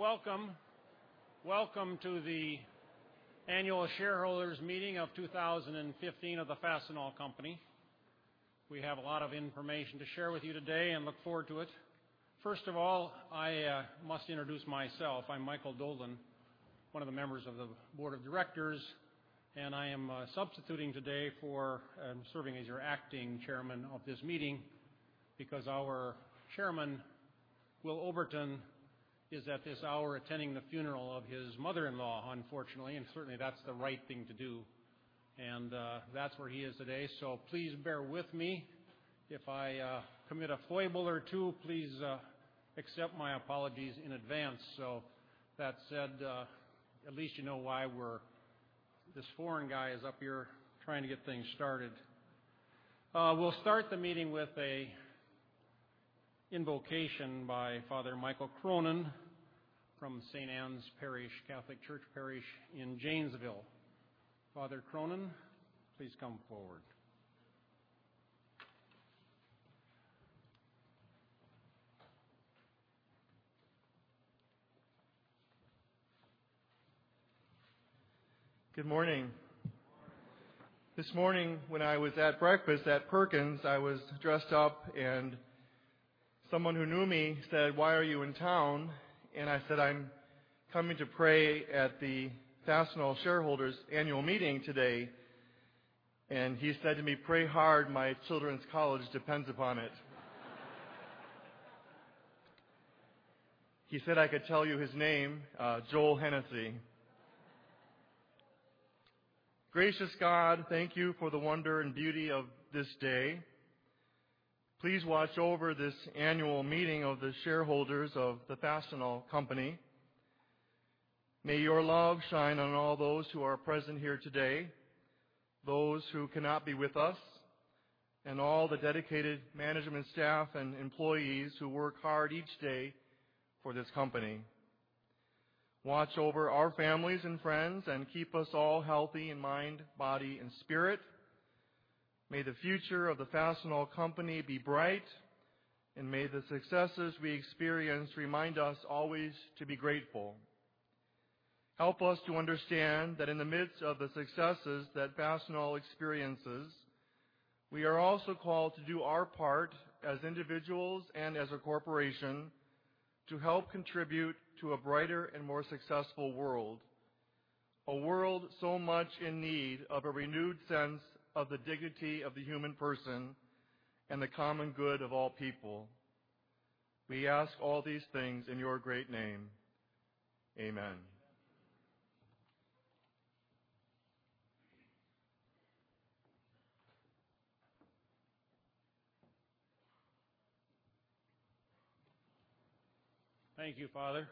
Welcome. Welcome to the annual shareholders' meeting of 2015 of the Fastenal Company. We have a lot of information to share with you today and look forward to it. First of all, I must introduce myself. I'm Michael Dolan, one of the members of the board of directors, and I am substituting today for and serving as your acting chairman of this meeting because our chairman, Will Oberton, is at this hour attending the funeral of his mother-in-law, unfortunately, and certainly, that's the right thing to do. That's where he is today. Please bear with me. If I commit a foible or two, please accept my apologies in advance. That said, at least you know why this foreign guy is up here trying to get things started. We'll start the meeting with an invocation by Father Michael Cronin from St. Ann's Parish Catholic Church parish in Janesville. Father Cronin, please come forward. Good morning. Good morning. This morning when I was at breakfast at Perkins, I was dressed up, and someone who knew me said, "Why are you in town?" I said, "I'm coming to pray at the Fastenal shareholders' annual meeting today." He said to me, "Pray hard. My children's college depends upon it." He said I could tell you his name, Joel Hennessey. Gracious God, thank you for the wonder and beauty of this day. Please watch over this annual meeting of the shareholders of the Fastenal Company. May your love shine on all those who are present here today, those who cannot be with us, and all the dedicated management staff and employees who work hard each day for this company. Watch over our families and friends, and keep us all healthy in mind, body, and spirit. May the future of the Fastenal Company be bright, and may the successes we experience remind us always to be grateful. Help us to understand that in the midst of the successes that Fastenal experiences, we are also called to do our part as individuals and as a corporation to help contribute to a brighter and more successful world, a world so much in need of a renewed sense of the dignity of the human person and the common good of all people. We ask all these things in your great name. Amen. Amen. Thank you, Father.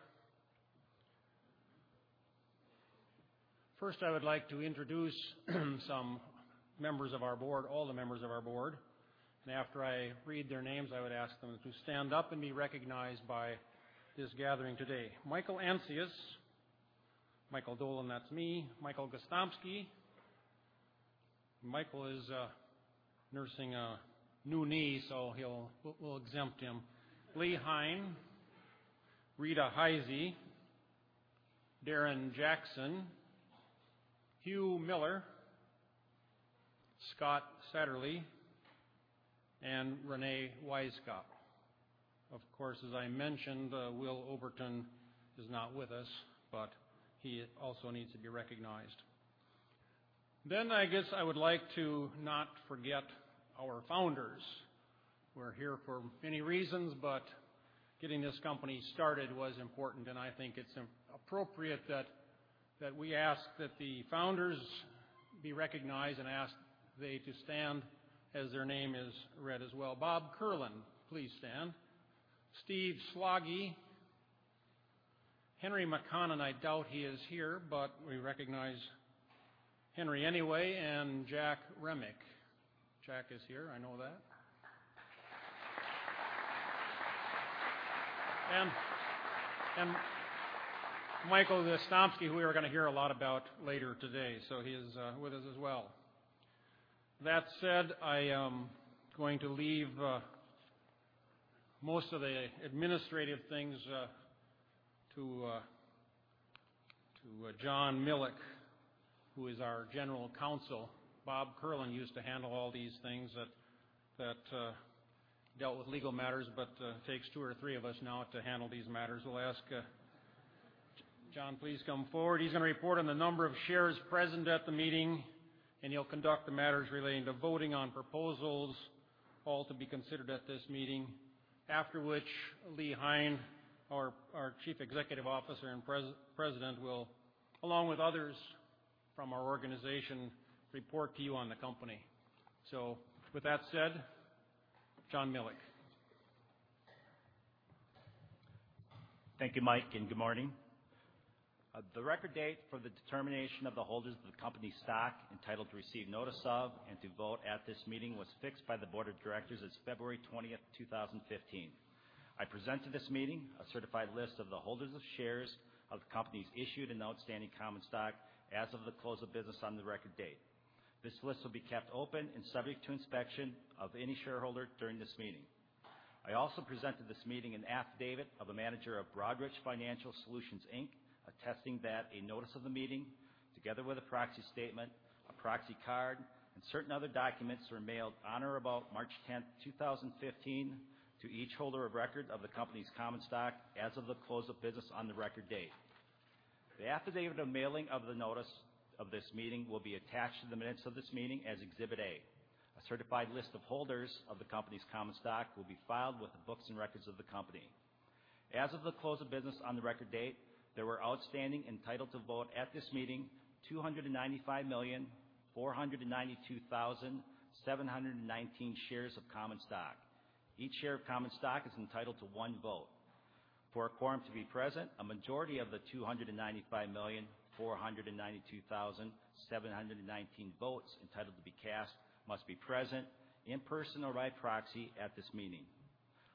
First, I would like to introduce some members of our board, all the members of our board. After I read their names, I would ask them to stand up and be recognized by this gathering today. Michael J. Ancius. Michael Dolan, that's me. Michael Gostomski. Michael is nursing a new knee, so we'll exempt him. Lee Hein, Rita J. Heise, Darren Jackson, Hugh Miller, Scott Satterlee, and Reyne K. Wisecup. Of course, as I mentioned, Willard D. Oberton is not with us, but he also needs to be recognized. I guess I would like to not forget our founders. We're here for many reasons, but getting this company started was important, and I think it's appropriate that we ask that the founders be recognized and ask they to stand as their name is read as well. Bob Kierlin, please stand. Steve Slaggie. Henry K. McConnon, I doubt he is here, but we recognize Henry anyway. Jack Remick. Jack is here. I know that. Michael Gostomski, who we are going to hear a lot about later today. He is with us as well. That said, I am going to leave most of the administrative things to John Milek, who is our general counsel. Bob Kierlin used to handle all these things that dealt with legal matters, but it takes two or three of us now to handle these matters. We'll ask John to please come forward. He's going to report on the number of shares present at the meeting, and he'll conduct the matters relating to voting on proposals, all to be considered at this meeting. After which, Lee Hein, our chief executive officer and president will, along with others from our organization, report to you on the company. With that said, John Milek. Thank you, Mike, and good morning. The record date for the determination of the holders of the company stock entitled to receive notice of and to vote at this meeting was fixed by the board of directors as February 20th, 2015. I present to this meeting a certified list of the holders of shares of the company's issued and outstanding common stock as of the close of business on the record date. This list will be kept open and subject to inspection of any shareholder during this meeting. I also present to this meeting an affidavit of a manager of Broadridge Financial Solutions, Inc., attesting that a notice of the meeting, together with a proxy statement, a proxy card, and certain other documents, were mailed on or about March 10th, 2015, to each holder of record of the company's common stock as of the close of business on the record date. The affidavit of mailing of the notice of this meeting will be attached to the minutes of this meeting as Exhibit A. A certified list of holders of the company's common stock will be filed with the books and records of the company. As of the close of business on the record date, there were outstanding, entitled to vote at this meeting, 295,492,719 shares of common stock. Each share of common stock is entitled to one vote. For a quorum to be present, a majority of the 295,492,719 votes entitled to be cast must be present in person or by proxy at this meeting.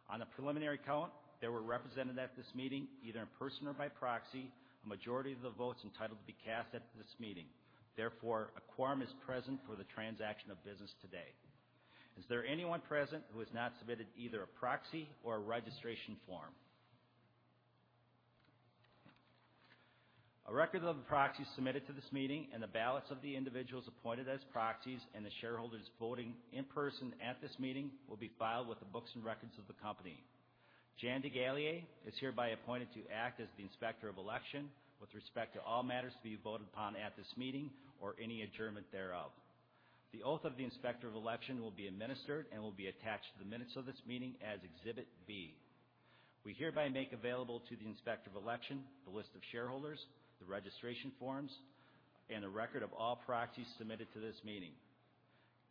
On a preliminary count, there were represented at this meeting, either in person or by proxy, a majority of the votes entitled to be cast at this meeting. Therefore, a quorum is present for the transaction of business today. Is there anyone present who has not submitted either a proxy or a registration form? A record of the proxies submitted to this meeting and the ballots of the individuals appointed as proxies and the shareholders voting in person at this meeting will be filed with the books and records of the company. Jan Dégallier is hereby appointed to act as the Inspector of Election with respect to all matters to be voted upon at this meeting or any adjournment thereof. The oath of the Inspector of Election will be administered and will be attached to the minutes of this meeting as Exhibit B. We hereby make available to the Inspector of Election the list of shareholders, the registration forms, and a record of all proxies submitted to this meeting.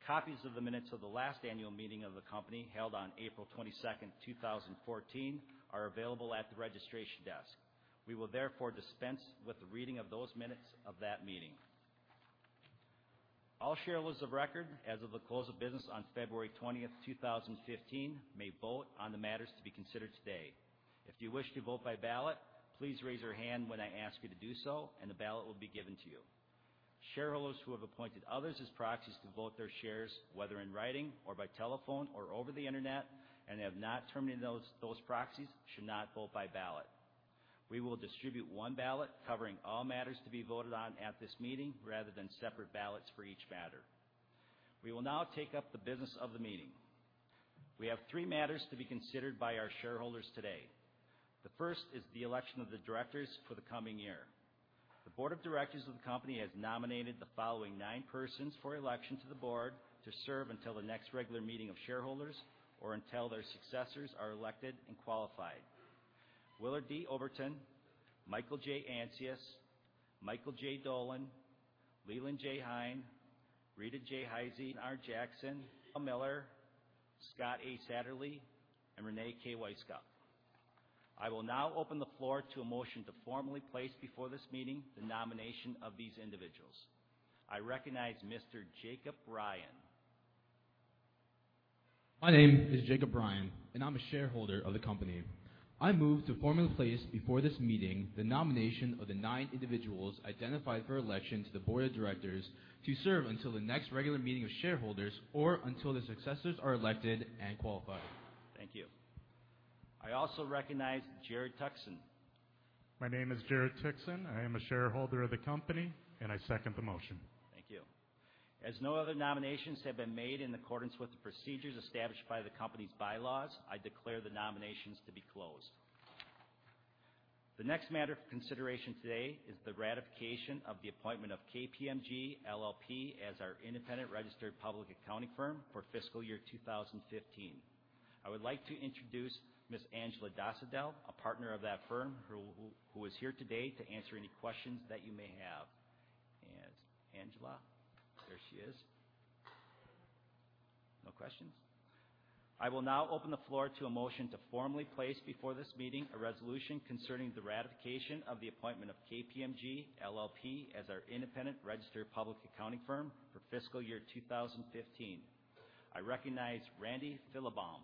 Copies of the minutes of the last annual meeting of the company held on April 22nd, 2014, are available at the registration desk. We will therefore dispense with the reading of those minutes of that meeting. All shareholders of record as of the close of business on February 20th, 2015, may vote on the matters to be considered today. If you wish to vote by ballot, please raise your hand when I ask you to do so, and a ballot will be given to you. Shareholders who have appointed others as proxies to vote their shares, whether in writing or by telephone or over the internet, and have not terminated those proxies should not vote by ballot. We will distribute one ballot covering all matters to be voted on at this meeting rather than separate ballots for each matter. We will now take up the business of the meeting. We have three matters to be considered by our shareholders today. The first is the election of the directors for the coming year. The board of directors of the company has nominated the following nine persons for election to the board to serve until the next regular meeting of shareholders or until their successors are elected and qualified. Willard D. Oberton, Michael J. Ancius, Michael J. Dolan, Leland J. Hein, Rita J. Heise, Darren R. Jackson, Hugh Miller, Scott A. Satterlee, and Reyne K. Wisecup. I will now open the floor to a motion to formally place before this meeting the nomination of these individuals. I recognize Mr. Jacob Bryan. My name is Jacob Bryan, and I'm a shareholder of the company. I move to formally place before this meeting the nomination of the nine individuals identified for election to the board of directors to serve until the next regular meeting of shareholders or until their successors are elected and qualified. Thank you. I also recognize Jerad Tuxen. My name is Jerad Tuxen. I am a shareholder of the company. I second the motion. Thank you. As no other nominations have been made in accordance with the procedures established by the company's bylaws, I declare the nominations to be closed. The next matter for consideration today is the ratification of the appointment of KPMG LLP as our independent registered public accounting firm for fiscal year 2015. I would like to introduce Ms. Angela Dosedel, a partner of that firm, who is here today to answer any questions that you may have. Angela? There she is. No questions. I will now open the floor to a motion to formally place before this meeting a resolution concerning the ratification of the appointment of KPMG LLP as our independent registered public accounting firm for fiscal year 2015. I recognize Randy Philabaum.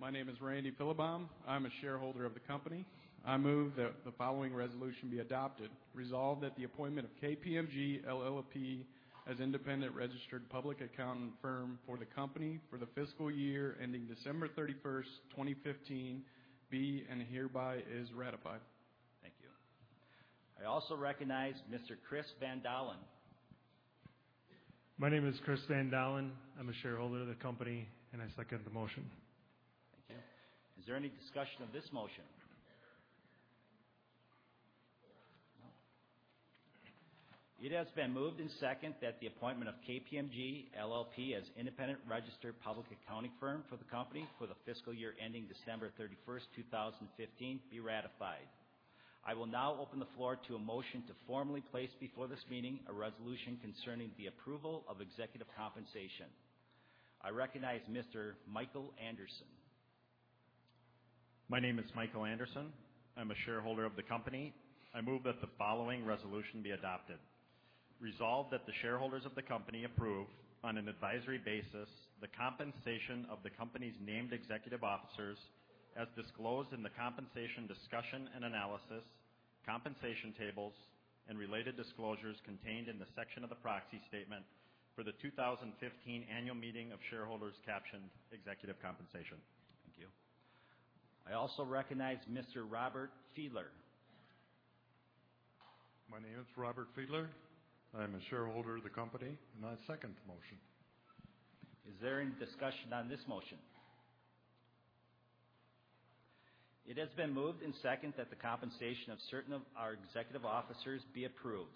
My name is Randy Philabaum. I am a shareholder of the company. I move that the following resolution be adopted. Resolved that the appointment of KPMG LLP as independent registered public accounting firm for the company for the fiscal year ending December 31st, 2015, be and hereby is ratified. Thank you. I also recognize Mr. Chris Van Dolin. My name is Chris Van Dolin. I'm a shareholder of the company, and I second the motion. Thank you. Is there any discussion of this motion? No. It has been moved and second that the appointment of KPMG LLP as independent registered public accounting firm for the company for the fiscal year ending December 31st, 2015, be ratified. I will now open the floor to a motion to formally place before this meeting a resolution concerning the approval of executive compensation. I recognize Mr. Michael Anderson. My name is Michael Anderson. I'm a shareholder of the company. I move that the following resolution be adopted. Resolve that the shareholders of the company approve, on an advisory basis, the compensation of the company's named executive officers as disclosed in the compensation discussion and analysis, compensation tables, and related disclosures contained in the section of the proxy statement for the 2015 annual meeting of shareholders captioned Executive Compensation. Thank you. I also recognize Mr. Robert Fiedler. My name is Robert Fiedler. I am a shareholder of the company, and I second the motion. Is there any discussion on this motion? It has been moved and seconded that the compensation of certain of our executive officers be approved.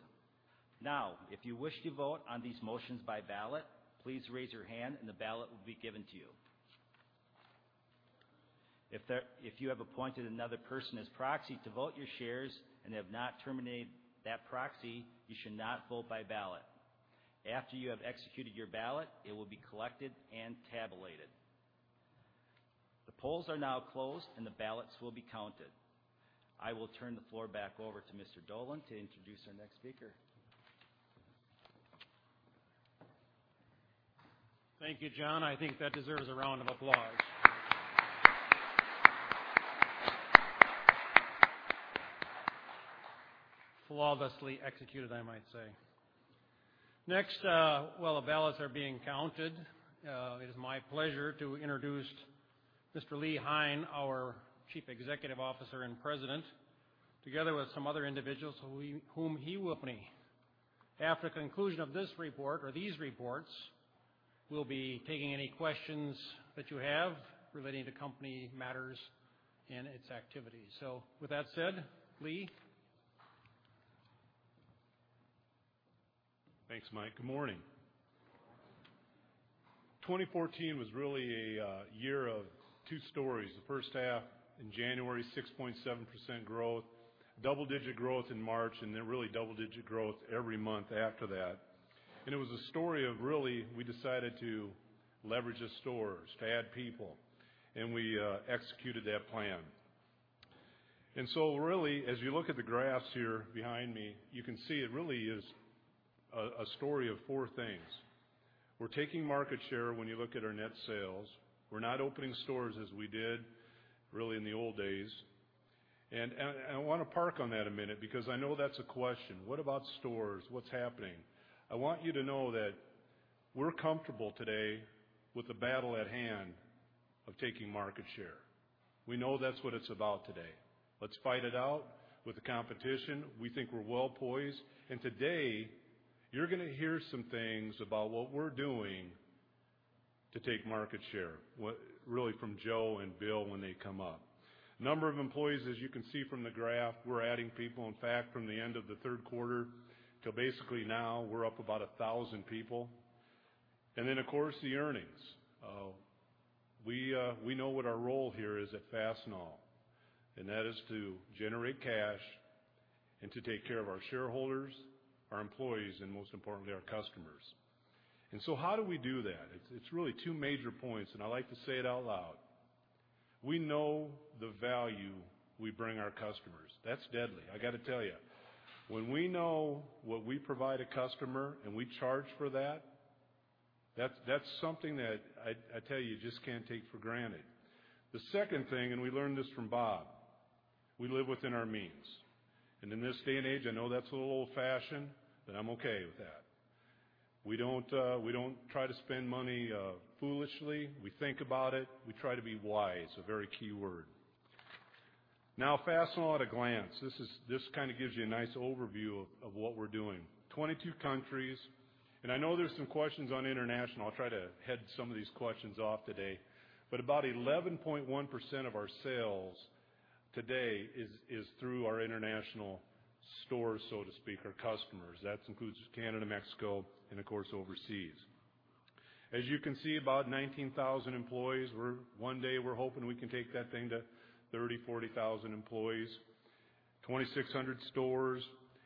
Now, if you wish to vote on these motions by ballot, please raise your hand and the ballot will be given to you. If you have appointed another person as proxy to vote your shares and have not terminated that proxy, you should not vote by ballot. After you have executed your ballot, it will be collected and tabulated. The polls are now closed, and the ballots will be counted. I will turn the floor back over to Mr. Dolan to introduce our next speaker. Thank you, John. I think that deserves a round of applause. Flawlessly executed, I might say. Next, while the ballots are being counted, it is my pleasure to introduce Mr. Lee Hein, our Chief Executive Officer and President, together with some other individuals whom he will name. After the conclusion of this report or these reports, we will be taking any questions that you have relating to company matters and its activities. With that said, Lee? Thanks, Mike. Good morning. Good morning. 2014 was really a year of two stories. The first half in January, 6.7% growth, double-digit growth in March, really double-digit growth every month after that. It was a story of really we decided to leverage the stores, to add people, and we executed that plan. Really, as you look at the graphs here behind me, you can see it really is a story of four things. We are taking market share when you look at our net sales. We are not opening stores as we did really in the old days. I want to park on that a minute because I know that is a question. What about stores? What is happening? I want you to know that we are comfortable today with the battle at hand of taking market share. We know that is what it is about today. Let us fight it out with the competition. We think we're well-poised. Today, you're going to hear some things about what we're doing to take market share, really from Joe and Bill when they come up. Number of employees, as you can see from the graph, we're adding people. In fact, from the end of the third quarter till basically now, we're up about 1,000 people. Of course, the earnings. We know what our role here is at Fastenal, and that is to generate cash and to take care of our shareholders, our employees, and most importantly, our customers. How do we do that? It's really two major points, and I like to say it out loud. We know the value we bring our customers. That's deadly. I got to tell you. When we know what we provide a customer and we charge for that's something that, I tell you, just can't take for granted. The second thing, and we learned this from Bob: We live within our means. In this day and age, I know that's a little old-fashioned, but I'm okay with that. We don't try to spend money foolishly. We think about it. We try to be wise, a very key word. Fastenal at a glance. This kind of gives you a nice overview of what we're doing. 22 countries. I know there's some questions on international. I'll try to head some of these questions off today. About 11.1% of our sales today is through our international stores, so to speak, our customers. That includes Canada, Mexico, and of course, overseas. As you can see, about 19,000 employees. One day, we're hoping we can take that thing to 30,000, 40,000 employees, 2,600 stores.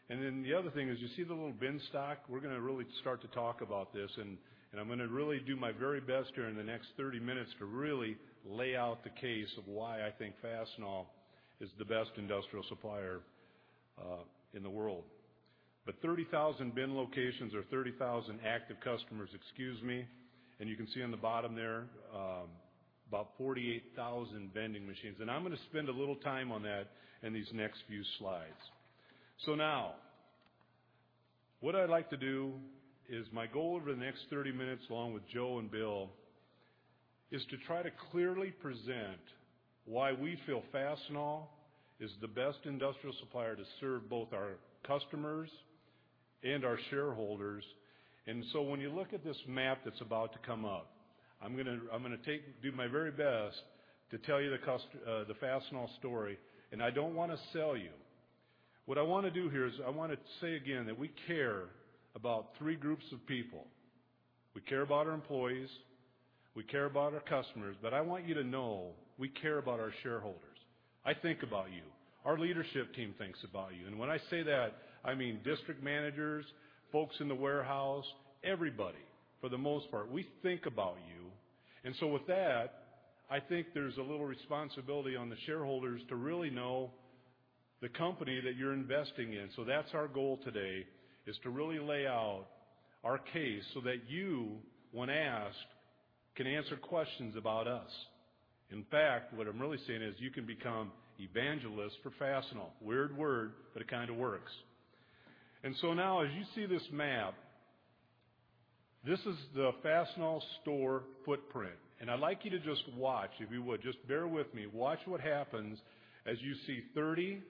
The other thing is, you see the little bin stock? We're going to really start to talk about this, and I'm going to really do my very best here in the next 30 minutes to really lay out the case of why I think Fastenal is the best industrial supplier in the world. 30,000 bin locations or 30,000 active customers, excuse me. You can see on the bottom there, about 48,000 vending machines. I'm going to spend a little time on that in these next few slides. What I'd like to do is my goal over the next 30 minutes, along with Joe and Bill, is to try to clearly present why we feel Fastenal is the best industrial supplier to serve both our customers and our shareholders. When you look at this map that's about to come up, I'm going to do my very best to tell you the Fastenal story, I don't want to sell you. What I want to do here is I want to say again that we care about three groups of people. We care about our employees, we care about our customers, but I want you to know we care about our shareholders. I think about you. Our leadership team thinks about you. When I say that, I mean district managers, folks in the warehouse, everybody, for the most part. We think about you. With that, I think there's a little responsibility on the shareholders to really know the company that you're investing in. That's our goal today, is to really lay out our case so that you, when asked, can answer questions about us. In fact, what I'm really saying is you can become evangelists for Fastenal. Weird word, but it kind of works. Now, as you see this map, this is the Fastenal store footprint. I'd like you to just watch, if you would. Just bear with me. Watch what happens as you see 30,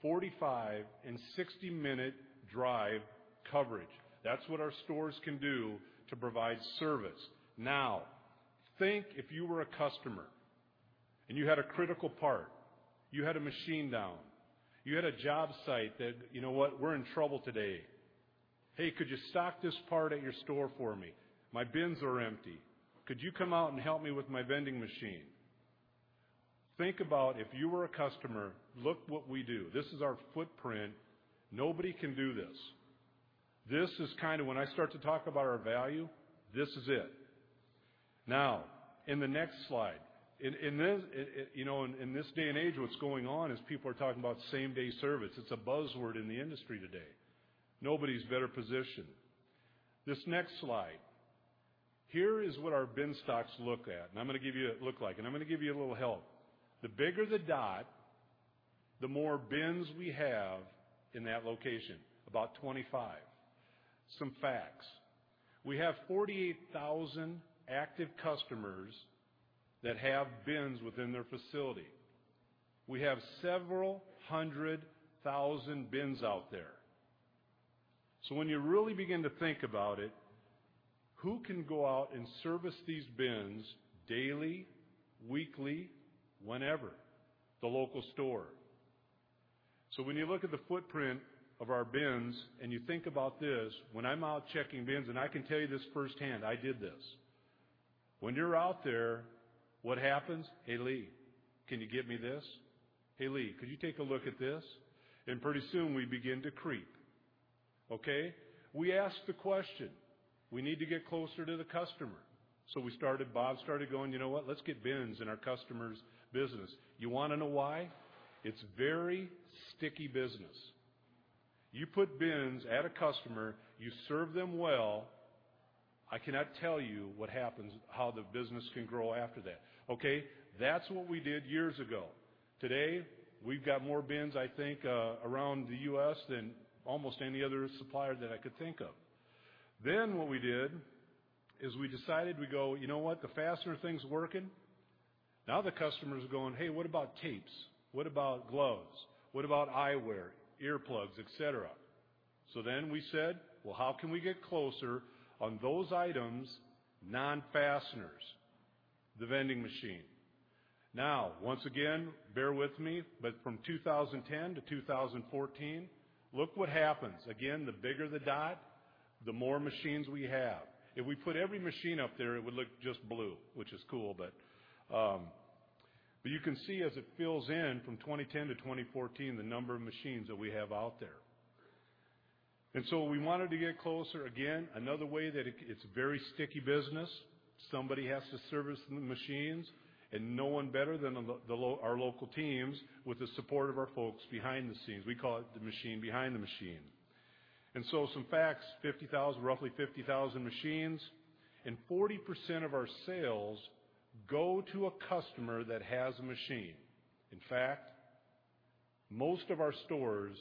45, and 60-minute drive coverage. That's what our stores can do to provide service. Think if you were a customer and you had a critical part. You had a machine down. You had a job site that, you know what? We're in trouble today. "Hey, could you stock this part at your store for me? My bins are empty." "Could you come out and help me with my vending machine?" Think about if you were a customer. Look what we do. This is our footprint. Nobody can do this. When I start to talk about our value, this is it. Now, in the next slide. In this day and age, what's going on is people are talking about same-day service. It's a buzzword in the industry today. Nobody's better positioned. This next slide, here is what our bin stocks look like, and I'm going to give you a little help. The bigger the dot, the more bins we have in that location, about 25. Some facts. We have 48,000 active customers that have bins within their facility. We have several hundred thousand bins out there. When you really begin to think about it, who can go out and service these bins daily, weekly, whenever? The local store. When you look at the footprint of our bins, and you think about this, when I'm out checking bins, and I can tell you this firsthand, I did this. When you're out there, what happens? "Hey, Lee, can you get me this?" "Hey, Lee, could you take a look at this?" Pretty soon we begin to creep. Okay? We ask the question. We need to get closer to the customer. Bob started going, "You know what? Let's get bins in our customers' business." You want to know why? It's very sticky business. You put bins at a customer, you serve them well, I cannot tell you what happens, how the business can grow after that. Okay? That's what we did years ago. Today, we've got more bins, I think, around the U.S. than almost any other supplier that I could think of. What we did is we decided, we go, "You know what? The fastener thing's working." The customer's going, "Hey, what about tapes? What about gloves? What about eyewear, earplugs, et cetera?" We said, "Well, how can we get closer on those items, non-fasteners?" The vending machine. Once again, bear with me, but from 2010 to 2014, look what happens. Again, the bigger the dot, the more machines we have. If we put every machine up there, it would look just blue, which is cool. You can see as it fills in from 2010 to 2014, the number of machines that we have out there. We wanted to get closer. Again, another way that it's very sticky business. Somebody has to service the machines, and no one better than our local teams with the support of our folks behind the scenes. We call it the machine behind the machine. Some facts, roughly 50,000 machines, and 40% of our sales go to a customer that has a machine. In fact, most of our stores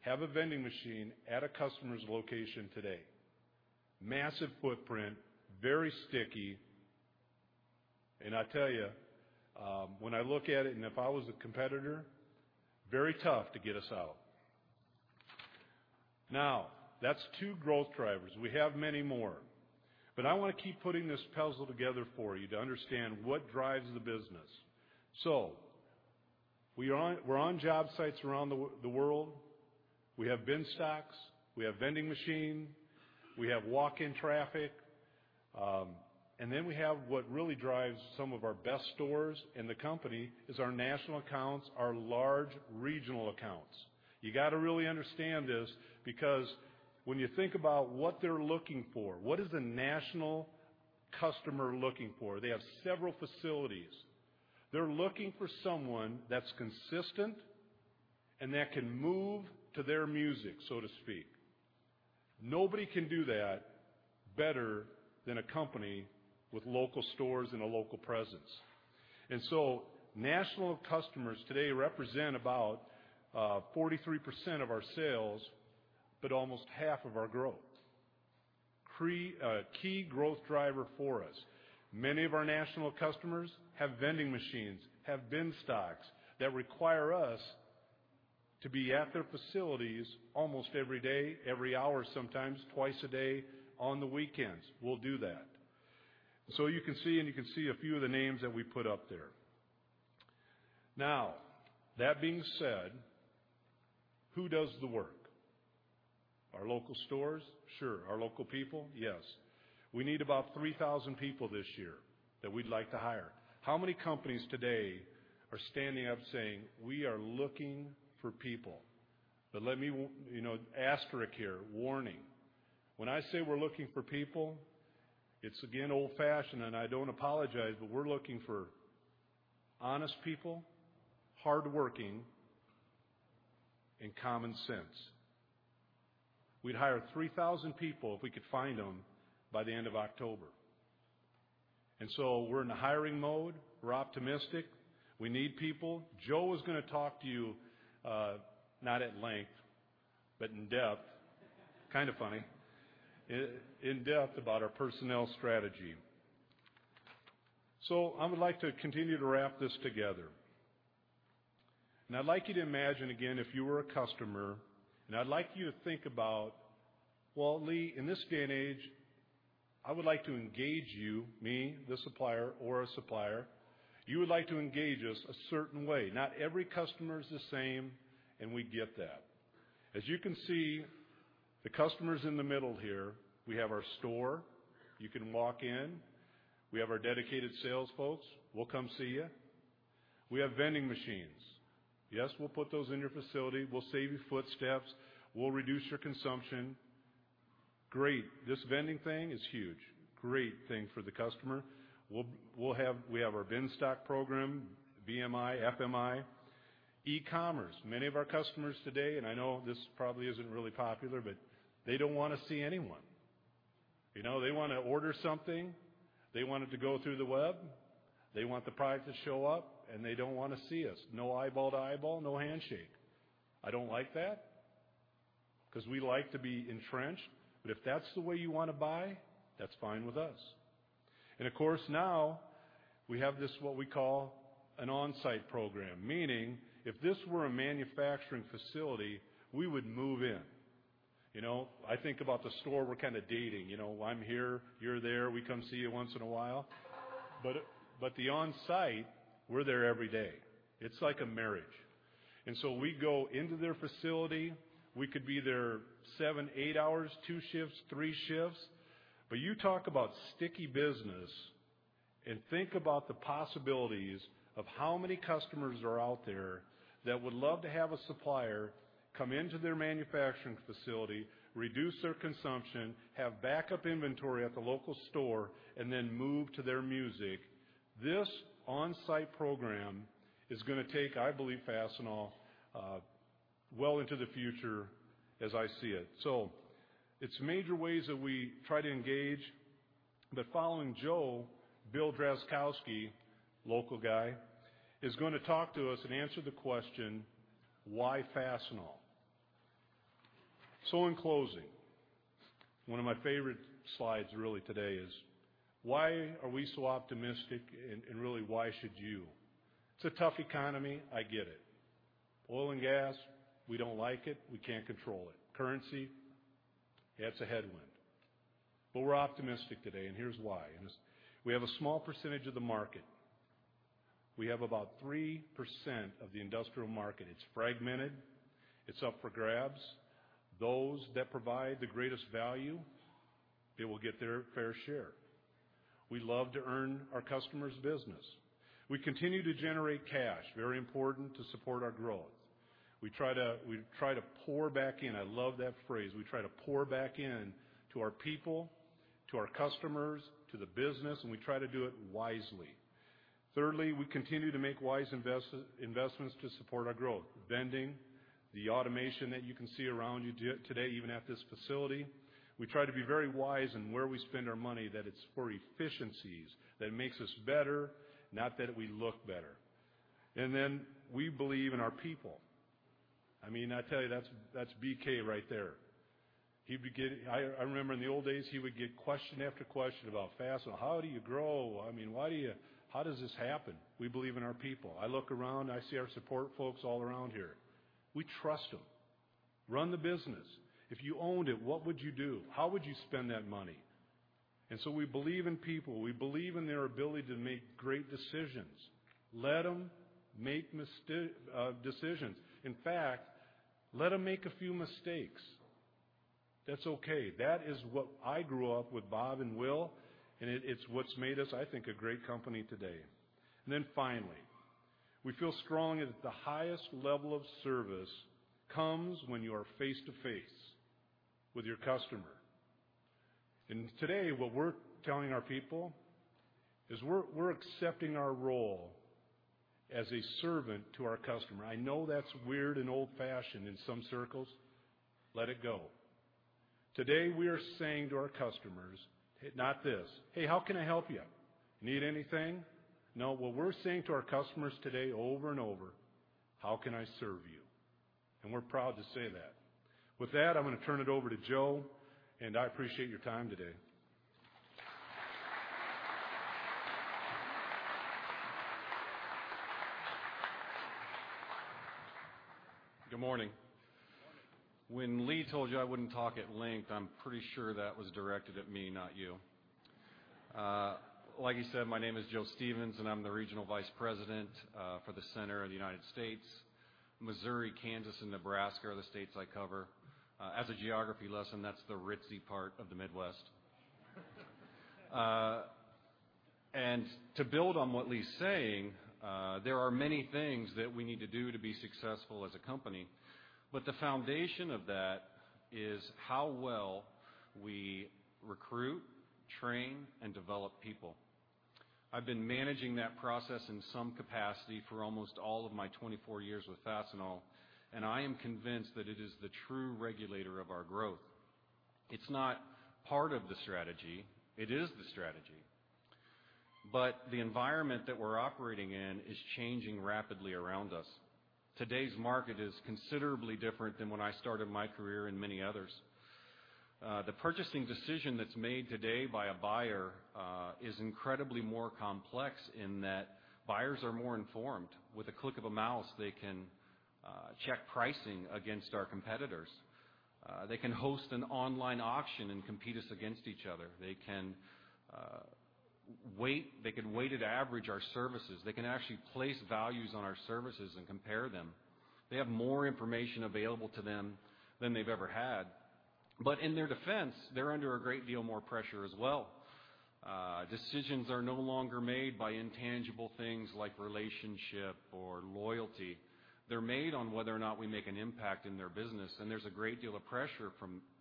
have a vending machine at a customer's location today. Massive footprint, very sticky. I tell you, when I look at it and if I was a competitor, very tough to get us out. That's two growth drivers. We have many more. I want to keep putting this puzzle together for you to understand what drives the business. We're on job sites around the world. We have bin stocks. We have vending machine. We have walk-in traffic. We have what really drives some of our best stores in the company is our national accounts, our large regional accounts. You got to really understand this because when you think about what they're looking for, what is the national customer looking for? They have several facilities. They're looking for someone that's consistent and that can move to their music, so to speak. Nobody can do that better than a company with local stores and a local presence. National customers today represent about 43% of our sales, but almost half of our growth. A key growth driver for us. Many of our national customers have vending machines, have bin stocks that require us to be at their facilities almost every day, every hour, sometimes twice a day, on the weekends. We'll do that. You can see, and you can see a few of the names that we put up there. That being said, who does the work? Our local stores? Sure. Our local people? Yes. We need about 3,000 people this year that we'd like to hire. How many companies today are standing up saying, "We are looking for people"? Let me, asterisk here, warning. When I say we're looking for people, it's again, old fashioned, and I don't apologize, but we're looking for honest people, hardworking, and common sense. We'd hire 3,000 people if we could find them by the end of October. We're in a hiring mode. We're optimistic. We need people. Joe is going to talk to you, not at length, but in depth. Kind of funny. In depth about our personnel strategy. I would like to continue to wrap this together. I'd like you to imagine, again, if you were a customer, and I'd like you to think about, well, Lee, in this day and age, I would like to engage you, me, the supplier or a supplier. You would like to engage us a certain way. Not every customer is the same, and we get that. As you can see, the customer's in the middle here. We have our store. You can walk in. We have our dedicated sales folks. We'll come see you. We have vending machines. Yes, we'll put those in your facility. We'll save you footsteps. We'll reduce your consumption. Great. This vending thing is huge. Great thing for the customer. We have our Bin Stock program, BMI, FMI. e-commerce. Many of our customers today, and I know this probably isn't really popular, but they don't want to see anyone. They want to order something, they want it to go through the web, they want the product to show up, and they don't want to see us. No eyeball to eyeball, no handshake. I don't like that because we like to be entrenched, but if that's the way you want to buy, that's fine with us. Of course, now we have this, what we call an on-site program, meaning if this were a manufacturing facility, we would move in. I think about the store we're kind of dating. I'm here, you're there. We come see you once in a while. The on-site, we're there every day. It's like a marriage. We go into their facility. We could be there seven, eight hours, two shifts, three shifts. You talk about sticky business and think about the possibilities of how many customers are out there that would love to have a supplier come into their manufacturing facility, reduce their consumption, have backup inventory at the local store, and then move to their music. This on-site program is going to take, I believe, Fastenal well into the future as I see it. It's major ways that we try to engage. Following Joe, Bill Drazkowski, local guy, is going to talk to us and answer the question: why Fastenal? In closing, one of my favorite slides really today is why are we so optimistic and really why should you? It's a tough economy. I get it. Oil and gas, we don't like it. We can't control it. Currency, that's a headwind. We're optimistic today, and here's why. We have a small percentage of the market. We have about 3% of the industrial market. It's fragmented. It's up for grabs. Those that provide the greatest value, they will get their fair share. We love to earn our customers' business. We continue to generate cash, very important to support our growth. We try to pour back in. I love that phrase. We try to pour back in to our people, to our customers, to the business, we try to do it wisely. Thirdly, we continue to make wise investments to support our growth. Vending, the automation that you can see around you today, even at this facility. We try to be very wise in where we spend our money, that it's for efficiencies, that makes us better, not that we look better. We believe in our people. I tell you, that's BK right there. I remember in the old days, he would get question after question about Fastenal. How do you grow? How does this happen? We believe in our people. I look around, I see our support folks all around here. We trust them. Run the business. If you owned it, what would you do? How would you spend that money? We believe in people. We believe in their ability to make great decisions. Let them make decisions. In fact, let them make a few mistakes. That's okay. That is what I grew up with Bob and Will, and it's what's made us, I think, a great company today. Finally, we feel strong that the highest level of service comes when you are face to face with your customer. Today, what we're telling our people is we're accepting our role as a servant to our customer. I know that's weird and old-fashioned in some circles. Let it go. Today, we are saying to our customers, not this, "Hey, how can I help you? Need anything?" No. What we're saying to our customers today over and over, "How can I serve you?" We're proud to say that. With that, I'm going to turn it over to Joe, and I appreciate your time today. Good morning. Good morning. When Lee told you I wouldn't talk at length, I'm pretty sure that was directed at me, not you. Like he said, my name is Joe Stevens, and I'm the Regional Vice President, for the center of the United States. Missouri, Kansas, and Nebraska are the states I cover. As a geography lesson, that's the ritzy part of the Midwest. To build on what Lee's saying, there are many things that we need to do to be successful as a company, but the foundation of that is how well we recruit, train, and develop people. I've been managing that process in some capacity for almost all of my 24 years with Fastenal, and I am convinced that it is the true regulator of our growth. It's not part of the strategy, it is the strategy. The environment that we're operating in is changing rapidly around us. Today's market is considerably different than when I started my career and many others. The purchasing decision that's made today by a buyer is incredibly more complex in that buyers are more informed. With a click of a mouse, they can check pricing against our competitors. They can host an online auction and compete us against each other. They can weighted average our services. They can actually place values on our services and compare them. They have more information available to them than they've ever had. In their defense, they're under a great deal more pressure as well. Decisions are no longer made by intangible things like relationship or loyalty. They're made on whether or not we make an impact in their business, there's a great deal of pressure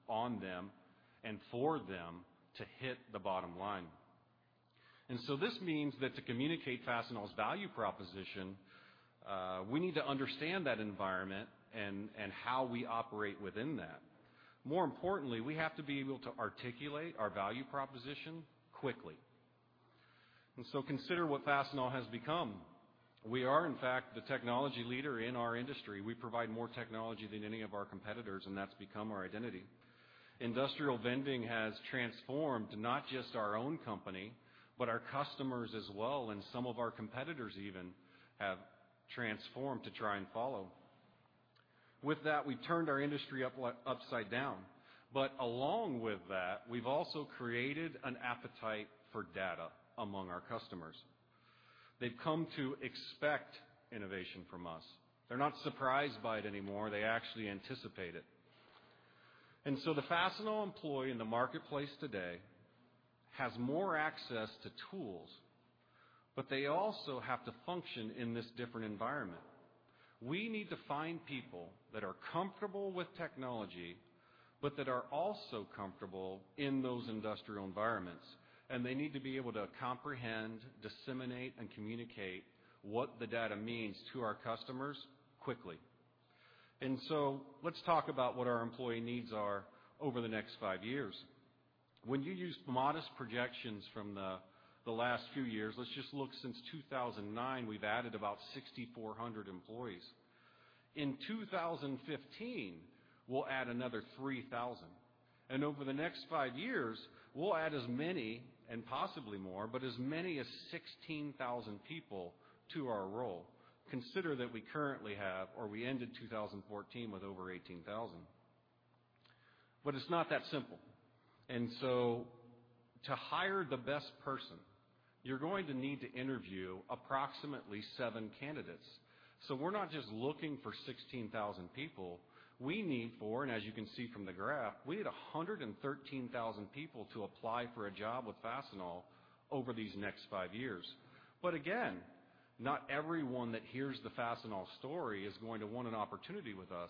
on them and for them to hit the bottom line. This means that to communicate Fastenal's value proposition, we need to understand that environment and how we operate within that. More importantly, we have to be able to articulate our value proposition quickly. Consider what Fastenal has become. We are, in fact, the technology leader in our industry. We provide more technology than any of our competitors, that's become our identity. Industrial vending has transformed not just our own company, but our customers as well, some of our competitors even have transformed to try and follow. With that, we turned our industry upside down. Along with that, we've also created an appetite for data among our customers. They've come to expect innovation from us. They're not surprised by it anymore. They actually anticipate it. The Fastenal employee in the marketplace today has more access to tools, they also have to function in this different environment. We need to find people that are comfortable with technology, but that are also comfortable in those industrial environments, they need to be able to comprehend, disseminate, and communicate what the data means to our customers quickly. Let's talk about what our employee needs are over the next five years. When you use modest projections from the last few years, let's just look since 2009, we've added about 6,400 employees. In 2015, we'll add another 3,000. Over the next five years, we'll add as many and possibly more, as many as 16,000 people to our role. Consider that we currently have, or we ended 2014 with over 18,000. It's not that simple. To hire the best person, you're going to need to interview approximately seven candidates. We're not just looking for 16,000 people, we need for, as you can see from the graph, we need 113,000 people to apply for a job with Fastenal over these next five years. Again, not everyone that hears the Fastenal story is going to want an opportunity with us.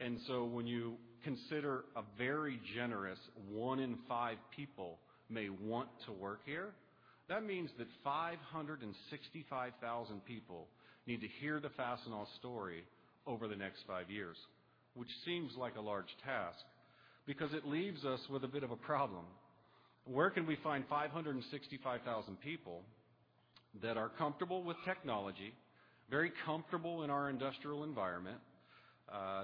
When you consider a very generous one in five people may want to work here, that means that 565,000 people need to hear the Fastenal story over the next five years, which seems like a large task because it leaves us with a bit of a problem. Where can we find 565,000 people that are comfortable with technology, very comfortable in our industrial environment,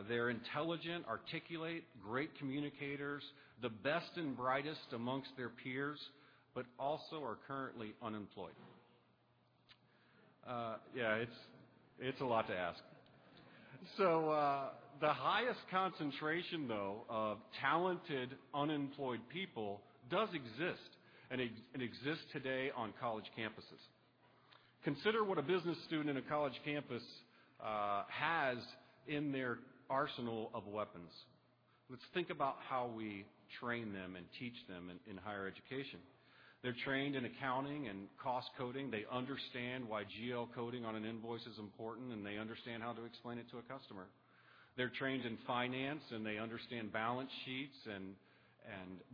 they're intelligent, articulate, great communicators, the best and brightest amongst their peers, but also are currently unemployed? Yeah, it's a lot to ask. The highest concentration, though, of talented, unemployed people does exist, and it exists today on college campuses. Consider what a business student in a college campus has in their arsenal of weapons. Let's think about how we train them and teach them in higher education. They're trained in accounting and cost coding. They understand why GL coding on an invoice is important, and they understand how to explain it to a customer. They're trained in finance, and they understand balance sheets and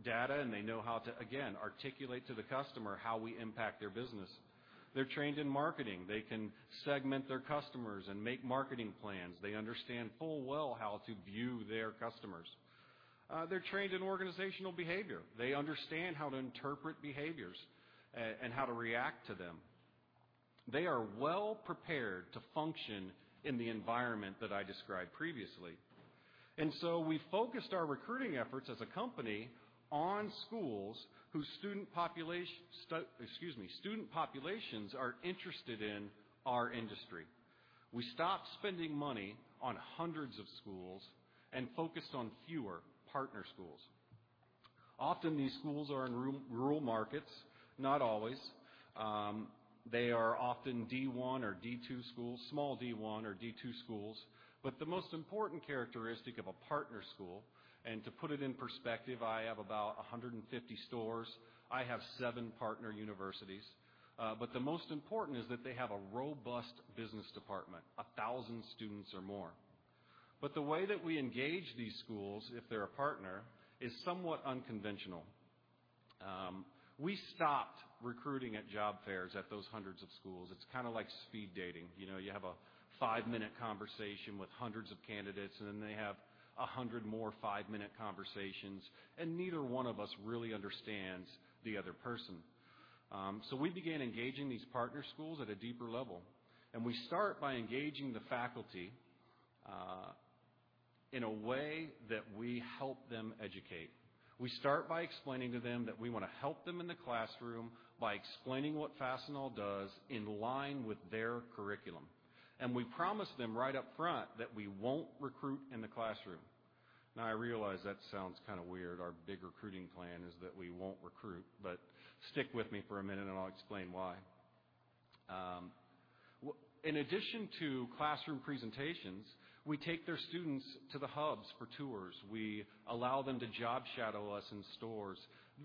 data, and they know how to, again, articulate to the customer how we impact their business. They're trained in marketing. They can segment their customers and make marketing plans. They understand full well how to view their customers. They're trained in organizational behavior. They understand how to interpret behaviors and how to react to them. They are well prepared to function in the environment that I described previously. We focused our recruiting efforts as a company on schools whose student populations are interested in our industry. We stopped spending money on hundreds of schools and focused on fewer partner schools. Often, these schools are in rural markets, not always. They are often D1 or D2 schools, small D1 or D2 schools. The most important characteristic of a partner school, and to put it in perspective, I have about 150 stores. I have seven partner universities. The most important is that they have a robust business department, 1,000 students or more. The way that we engage these schools, if they're a partner, is somewhat unconventional. We stopped recruiting at job fairs at those hundreds of schools. It's kind of like speed dating. You have a five-minute conversation with hundreds of candidates, and then they have 100 more five-minute conversations, and neither one of us really understands the other person. We began engaging these partner schools at a deeper level, and we start by engaging the faculty in a way that we help them educate. We start by explaining to them that we want to help them in the classroom by explaining what Fastenal does in line with their curriculum. We promise them right up front that we won't recruit in the classroom. I realize that sounds kind of weird. Our big recruiting plan is that we won't recruit, stick with me for a minute and I'll explain why. In addition to classroom presentations, we take their students to the hubs for tours. We allow them to job shadow us in stores.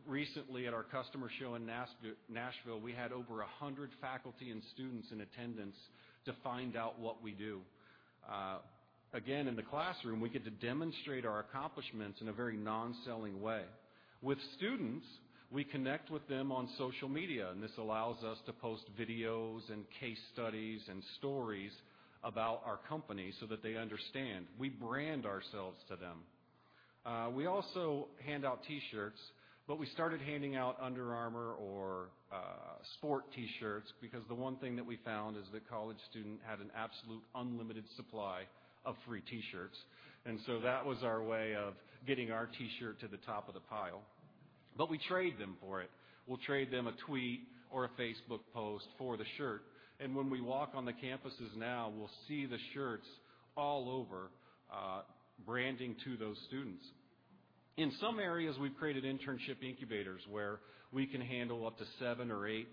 Recently at our customer show in Nashville, we had over 100 faculty and students in attendance to find out what we do. Again, in the classroom, we get to demonstrate our accomplishments in a very non-selling way. With students, we connect with them on social media, and this allows us to post videos and case studies and stories about our company so that they understand. We brand ourselves to them. We also hand out T-shirts, we started handing out Under Armour or sport T-shirts because the one thing that we found is that college student had an absolute unlimited supply of free T-shirts. That was our way of getting our T-shirt to the top of the pile. We trade them for it. We'll trade them a tweet or a Facebook post for the shirt. When we walk on the campuses now, we'll see the shirts all over, branding to those students. In some areas, we've created internship incubators where we can handle up to seven or eight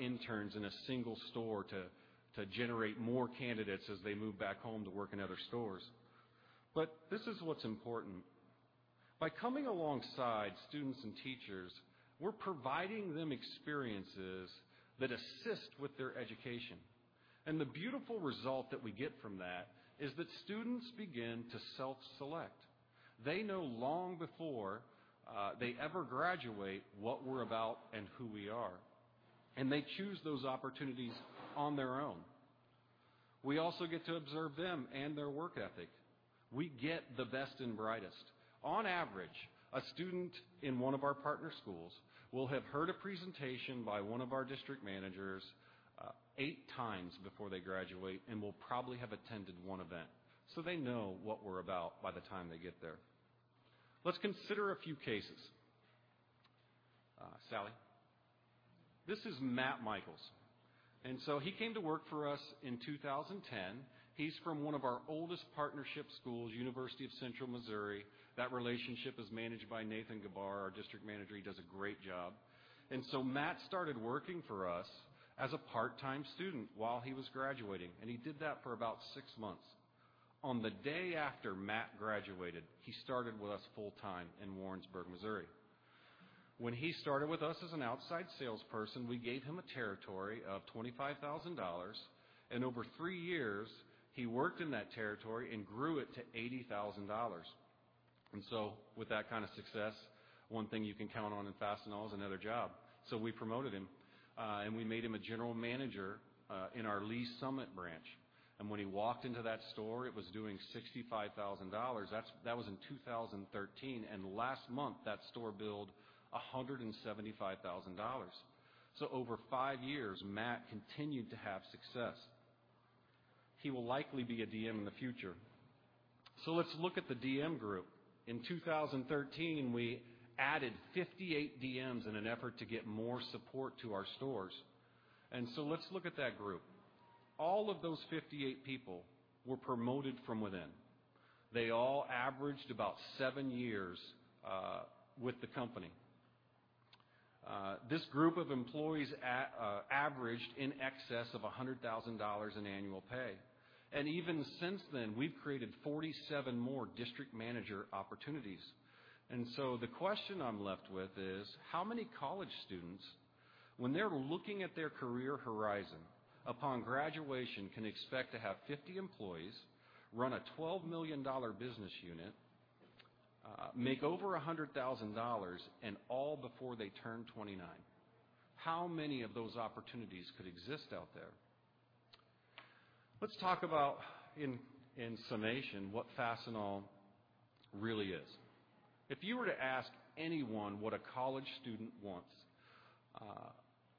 interns in a single store to generate more candidates as they move back home to work in other stores. This is what's important. By coming alongside students and teachers, we're providing them experiences that assist with their education. The beautiful result that we get from that is that students begin to self-select. They know long before they ever graduate what we're about and who we are, and they choose those opportunities on their own. We also get to observe them and their work ethic. We get the best and brightest. On average, a student in one of our partner schools will have heard a presentation by one of our district managers eight times before they graduate and will probably have attended one event. They know what we're about by the time they get there. Let's consider a few cases. This is Matt Michaels. He's from one of our oldest partnership schools, University of Central Missouri. That relationship is managed by Nathan Gabar, our district manager. He does a great job. Matt started working for us as a part-time student while he was graduating, and he did that for about six months. On the day after Matt graduated, he started with us full-time in Warrensburg, Missouri. When he started with us as an outside salesperson, we gave him a territory of $25,000, and over three years, he worked in that territory and grew it to $80,000. With that kind of success, one thing you can count on in Fastenal is another job. We promoted him. We made him a general manager in our Lee's Summit branch. When he walked into that store, it was doing $65,000. That was in 2013. Last month, that store billed $175,000. Over five years, Matt continued to have success. He will likely be a DM in the future. Let's look at the DM group. In 2013, we added 58 DMs in an effort to get more support to our stores. Let's look at that group. All of those 58 people were promoted from within. They all averaged about seven years with the company. This group of employees averaged in excess of $100,000 in annual pay. Even since then, we've created 47 more district manager opportunities. The question I'm left with is: how many college students, when they're looking at their career horizon upon graduation, can expect to have 50 employees, run a $12 million business unit, make over $100,000, and all before they turn 29? How many of those opportunities could exist out there? Let's talk about, in summation, what Fastenal really is. If you were to ask anyone what a college student wants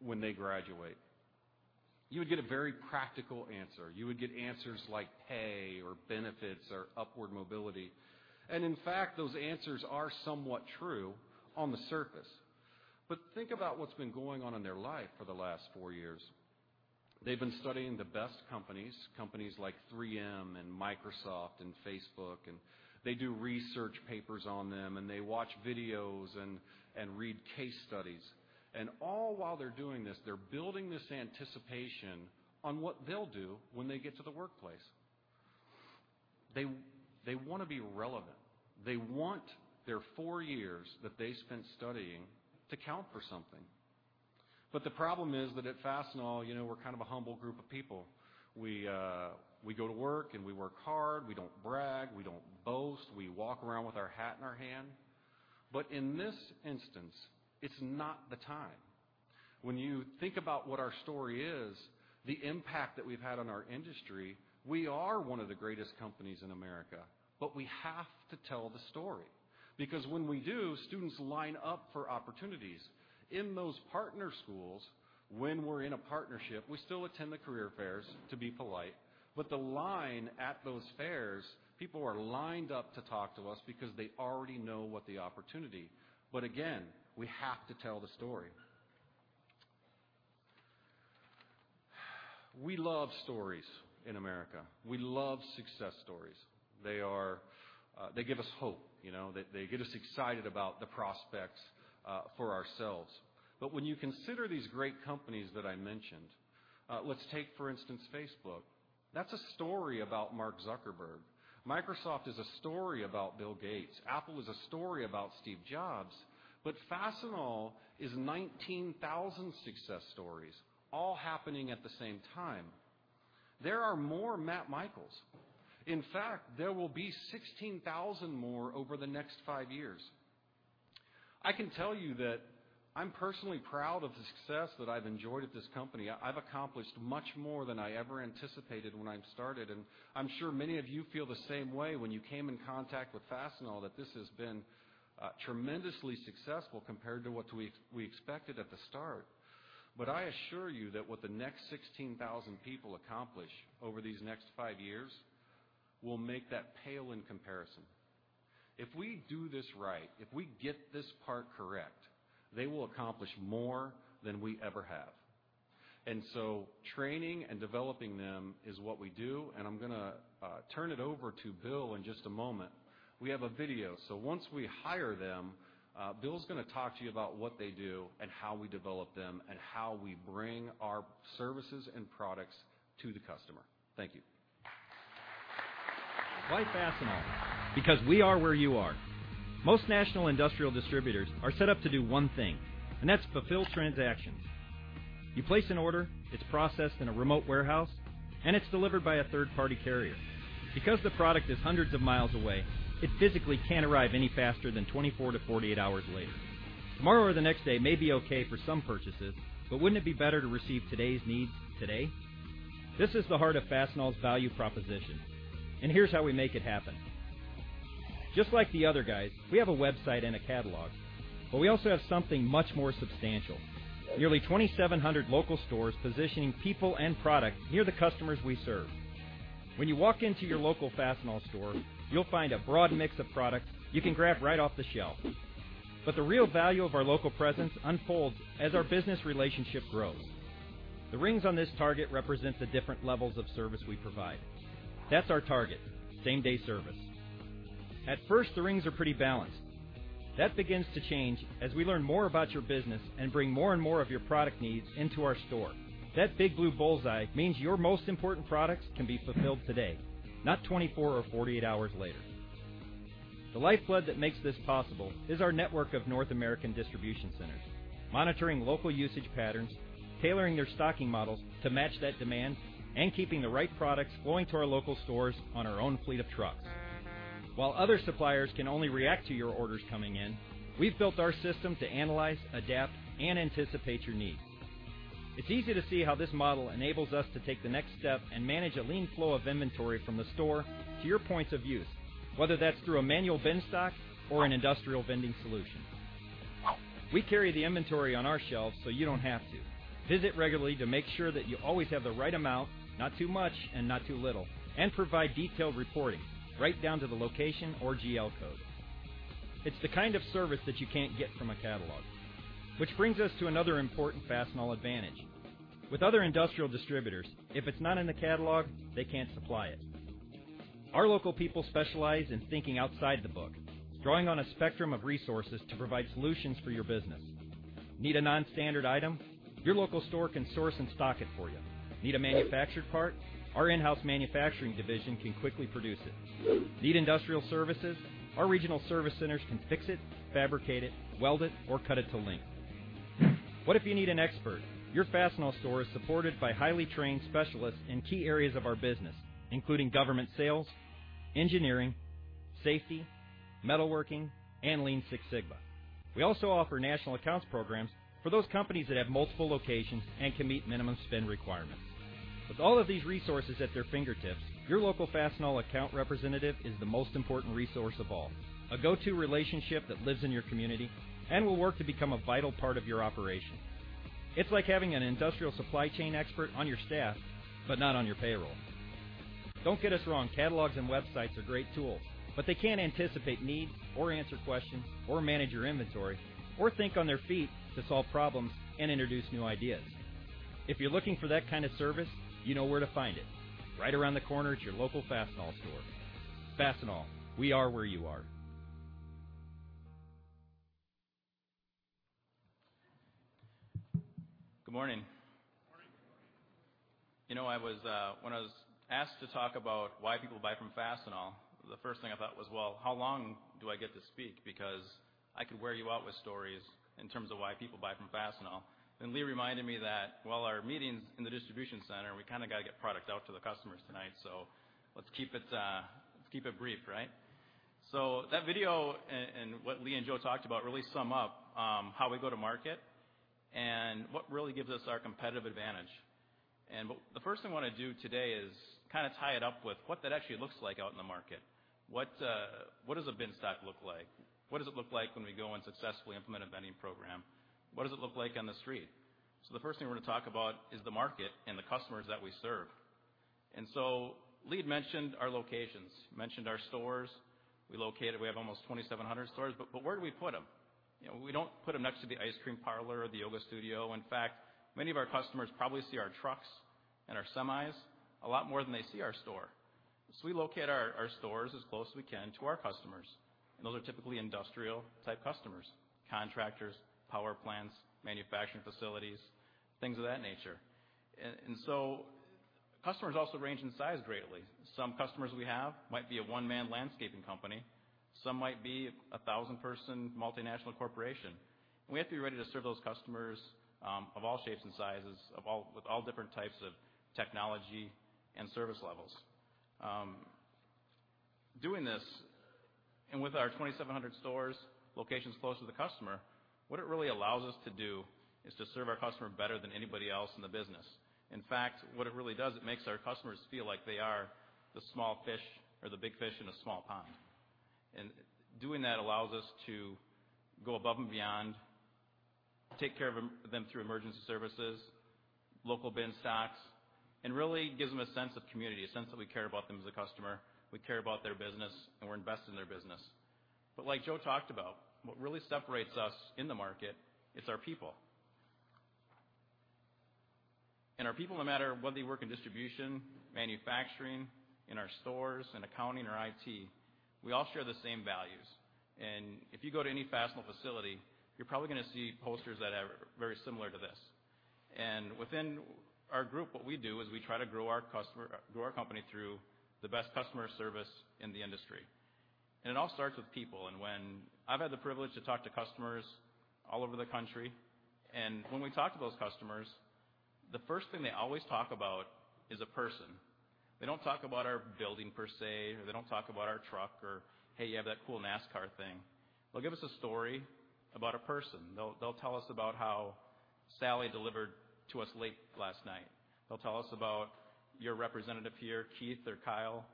when they graduate, you would get a very practical answer. You would get answers like pay or benefits or upward mobility. In fact, those answers are somewhat true on the surface. Think about what's been going on in their life for the last four years. They've been studying the best companies like 3M and Microsoft and Facebook, and they do research papers on them, and they watch videos and read case studies. All while they're doing this, they're building this anticipation on what they'll do when they get to the workplace. They want to be relevant. They want their four years that they spent studying to count for something. The problem is that at Fastenal, we're kind of a humble group of people. We go to work and we work hard. We don't brag. We don't boast. We walk around with our hat in our hand. In this instance, it's not the time. When you think about what our story is, the impact that we've had on our industry, we are one of the greatest companies in America. We have to tell the story. When we do, students line up for opportunities. In those partner schools, when we're in a partnership, we still attend the career fairs to be polite, the line at those fairs, people are lined up to talk to us because they already know. Again, we have to tell the story. We love stories in America. We love success stories. They give us hope. They get us excited about the prospects for ourselves. When you consider these great companies that I mentioned, let's take, for instance, Facebook. That's a story about Mark Zuckerberg. Microsoft is a story about Bill Gates. Apple is a story about Steve Jobs. Fastenal is 19,000 success stories all happening at the same time. There are more Matt Michaels. In fact, there will be 16,000 more over the next five years. I can tell you that I'm personally proud of the success that I've enjoyed at this company. I've accomplished much more than I ever anticipated when I started, and I'm sure many of you feel the same way when you came in contact with Fastenal, that this has been tremendously successful compared to what we expected at the start. I assure you that what the next 16,000 people accomplish over these next five years will make that pale in comparison. If we do this right, if we get this part correct, they will accomplish more than we ever have. Training and developing them is what we do, and I'm going to turn it over to Bill in just a moment. We have a video. Once we hire them, Bill's going to talk to you about what they do and how we develop them, and how we bring our services and products to the customer. Thank you. Why Fastenal? Because we are where you are. Most national industrial distributors are set up to do one thing, and that's fulfill transactions. You place an order, it's processed in a remote warehouse, and it's delivered by a third party carrier. Because the product is hundreds of miles away, it physically can't arrive any faster than 24 to 48 hours later. Tomorrow or the next day may be okay for some purchases, but wouldn't it be better to receive today's needs today? This is the heart of Fastenal's value proposition, and here's how we make it happen. Just like the other guys, we have a website and a catalog, but we also have something much more substantial. Nearly 2,700 local stores positioning people and product near the customers we serve. When you walk into your local Fastenal store, you'll find a broad mix of products you can grab right off the shelf. The real value of our local presence unfolds as our business relationship grows. The rings on this target represent the different levels of service we provide. That's our target, same-day service. At first, the rings are pretty balanced. That begins to change as we learn more about your business and bring more and more of your product needs into our store. That big blue bullseye means your most important products can be fulfilled today, not 24 or 48 hours later. The lifeblood that makes this possible is our network of North American distribution centers, monitoring local usage patterns, tailoring their stocking models to match that demand, and keeping the right products flowing to our local stores on our own fleet of trucks. While other suppliers can only react to your orders coming in, we've built our system to analyze, adapt, and anticipate your needs. It's easy to see how this model enables us to take the next step and manage a lean flow of inventory from the store to your points of use, whether that's through a manual bin stock or an industrial vending solution. We carry the inventory on our shelves so you don't have to. Visit regularly to make sure that you always have the right amount, not too much and not too little, and provide detailed reporting right down to the location or GL code. It's the kind of service that you can't get from a catalog. Which brings us to another important Fastenal advantage. With other industrial distributors, if it's not in the catalog, they can't supply it. Our local people specialize in thinking outside the book, drawing on a spectrum of resources to provide solutions for your business. Need a non-standard item? Your local store can source and stock it for you. Need a manufactured part? Our in-house manufacturing division can quickly produce it. Need industrial services? Our regional service centers can fix it, fabricate it, weld it, or cut it to length. What if you need an expert? Your Fastenal store is supported by highly trained specialists in key areas of our business, including government sales, engineering, safety, metalworking, and Lean Six Sigma. We also offer national accounts programs for those companies that have multiple locations and can meet minimum spend requirements. With all of these resources at their fingertips, your local Fastenal account representative is the most important resource of all, a go-to relationship that lives in your community and will work to become a vital part of your operation. It's like having an industrial supply chain expert on your staff, but not on your payroll. Don't get us wrong, catalogs and websites are great tools. They can't anticipate needs or answer questions or manage your inventory or think on their feet to solve problems and introduce new ideas. If you're looking for that kind of service, you know where to find it. Right around the corner at your local Fastenal store. Fastenal. We are where you are. Good morning. Good morning. When I was asked to talk about why people buy from Fastenal, the first thing I thought was, well, how long do I get to speak? I could wear you out with stories in terms of why people buy from Fastenal. Lee reminded me that while our meeting's in the distribution center, we kind of got to get product out to the customers tonight. Let's keep it brief, right? That video and what Lee and Joe talked about really sum up how we go to market and what really gives us our competitive advantage. The first thing I want to do today is kind of tie it up with what that actually looks like out in the market. What does a bin stock look like? What does it look like when we go and successfully implement a vending program? What does it look like on the street? The first thing we're going to talk about is the market and the customers that we serve. Lee had mentioned our locations, mentioned our stores. We have almost 2,700 stores, where do we put them? We don't put them next to the ice cream parlor or the yoga studio. In fact, many of our customers probably see our trucks and our semis a lot more than they see our store. We locate our stores as close as we can to our customers. Those are typically industrial type customers, contractors, power plants, manufacturing facilities, things of that nature. Customers also range in size greatly. Some customers we have might be a one-man landscaping company, some might be a thousand-person multinational corporation. We have to be ready to serve those customers of all shapes and sizes, with all different types of technology and service levels. Doing this and with our 2,700 stores, locations close to the customer, what it really allows us to do is to serve our customer better than anybody else in the business. In fact, what it really does, it makes our customers feel like they are the big fish in a small pond. Doing that allows us to go above and beyond, take care of them through emergency services, local bin stocks, and really gives them a sense of community, a sense that we care about them as a customer, we care about their business, and we're invested in their business. Like Joe talked about, what really separates us in the market, it's our people. Our people, no matter whether they work in distribution, manufacturing, in our stores, in accounting, or IT, we all share the same values. If you go to any Fastenal facility, you're probably going to see posters that are very similar to this. Within our group, what we do is we try to grow our company through the best customer service in the industry. It all starts with people. When I've had the privilege to talk to customers all over the country, when we talk to those customers, the first thing they always talk about is a person. They don't talk about our building per se, or they don't talk about our truck or, "Hey, you have that cool NASCAR thing." They'll give us a story about a person. They'll tell us about how Sally delivered to us late last night. They'll tell us about your representative here, Keith or Kyle,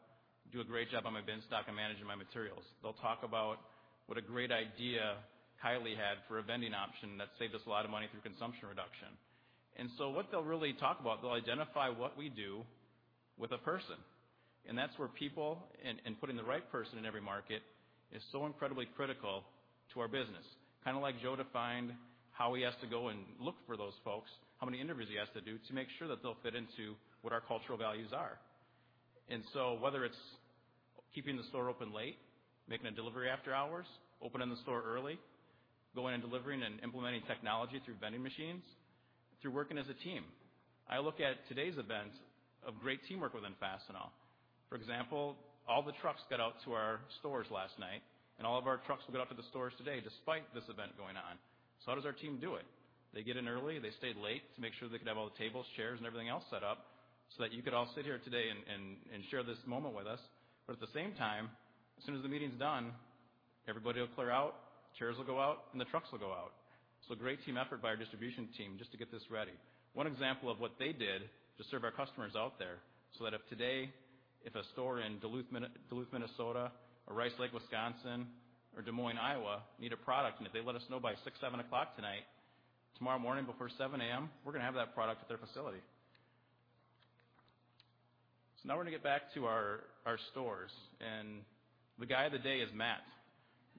do a great job on my bin stock and managing my materials. They'll talk about what a great idea Kylie had for a vending option that saved us a lot of money through consumption reduction. What they'll really talk about, they'll identify what we do with a person. That's where people and putting the right person in every market is so incredibly critical to our business. Kind of like Joe defined how he has to go and look for those folks, how many interviews he has to do to make sure that they'll fit into what our cultural values are. Whether it's keeping the store open late, making a delivery after hours, opening the store early, going and delivering and implementing technology through vending machines, through working as a team. I look at today's event of great teamwork within Fastenal. For example, all the trucks got out to our stores last night, and all of our trucks will go out to the stores today despite this event going on. How does our team do it? They get in early, they stayed late to make sure they could have all the tables, chairs, and everything else set up so that you could all sit here today and share this moment with us. At the same time, as soon as the meeting's done, everybody will clear out, chairs will go out, and the trucks will go out. A great team effort by our distribution team just to get this ready. One example of what they did to serve our customers out there that if today, if a store in Duluth, Minnesota or Rice Lake, Wisconsin or Des Moines, Iowa need a product, if they let us know by 6:00 P.M., 7:00 P.M. tonight, tomorrow morning before 7:00 A.M., we're going to have that product at their facility. Now we're going to get back to our stores, and the guy of the day is Matt.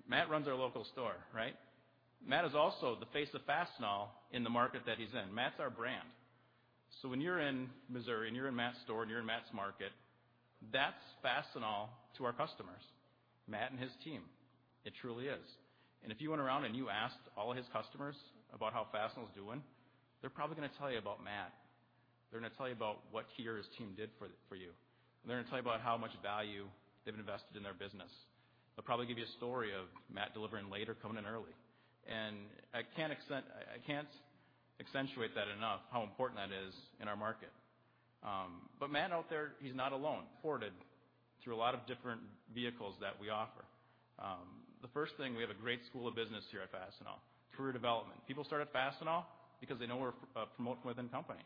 Matt runs our local store, right? Matt is also the face of Fastenal in the market that he's in. Matt's our brand. When you're in Missouri and you're in Matt's store and you're in Matt's market, that's Fastenal to our customers, Matt and his team. It truly is. If you went around and you asked all of his customers about how Fastenal's doing, they're probably going to tell you about Matt. They're going to tell you about what he or his team did for you. They're going to tell you about how much value they've invested in their business. They'll probably give you a story of Matt delivering late or coming in early. I can't accentuate that enough how important that is in our market. Matt out there, he's not alone. Supported through a lot of different vehicles that we offer. The first thing, we have a great school of business here at Fastenal. Career development. People start at Fastenal because they know we're promote-from-within company.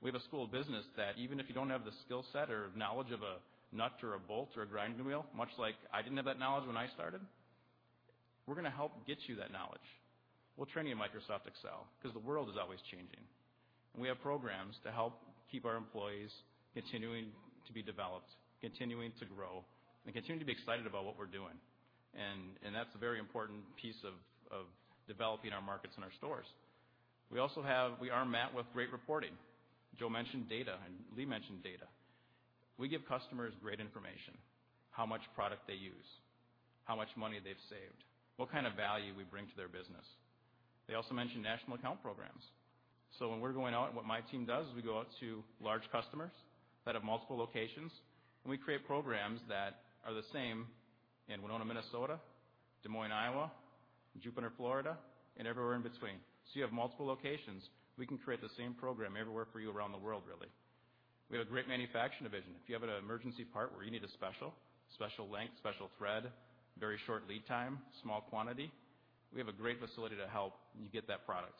We have a school of business that even if you don't have the skill set or knowledge of a nut or a bolt or a grinding wheel, much like I didn't have that knowledge when I started. We're going to help get you that knowledge. We'll train you in Microsoft Excel because the world is always changing. We have programs to help keep our employees continuing to be developed, continuing to grow, and continuing to be excited about what we're doing. That's a very important piece of developing our markets and our stores. We arm Matt with great reporting. Joe mentioned data, and Lee mentioned data. We give customers great information. How much product they use, how much money they've saved, what kind of value we bring to their business. They also mentioned national account programs. When we're going out, what my team does is we go out to large customers that have multiple locations, and we create programs that are the same in Winona, Minnesota, Des Moines, Iowa, Jupiter, Florida, and everywhere in between. You have multiple locations. We can create the same program everywhere for you around the world, really. We have a great manufacturing division. If you have an emergency part where you need a special length, special thread, very short lead time, small quantity, we have a great facility to help you get that product.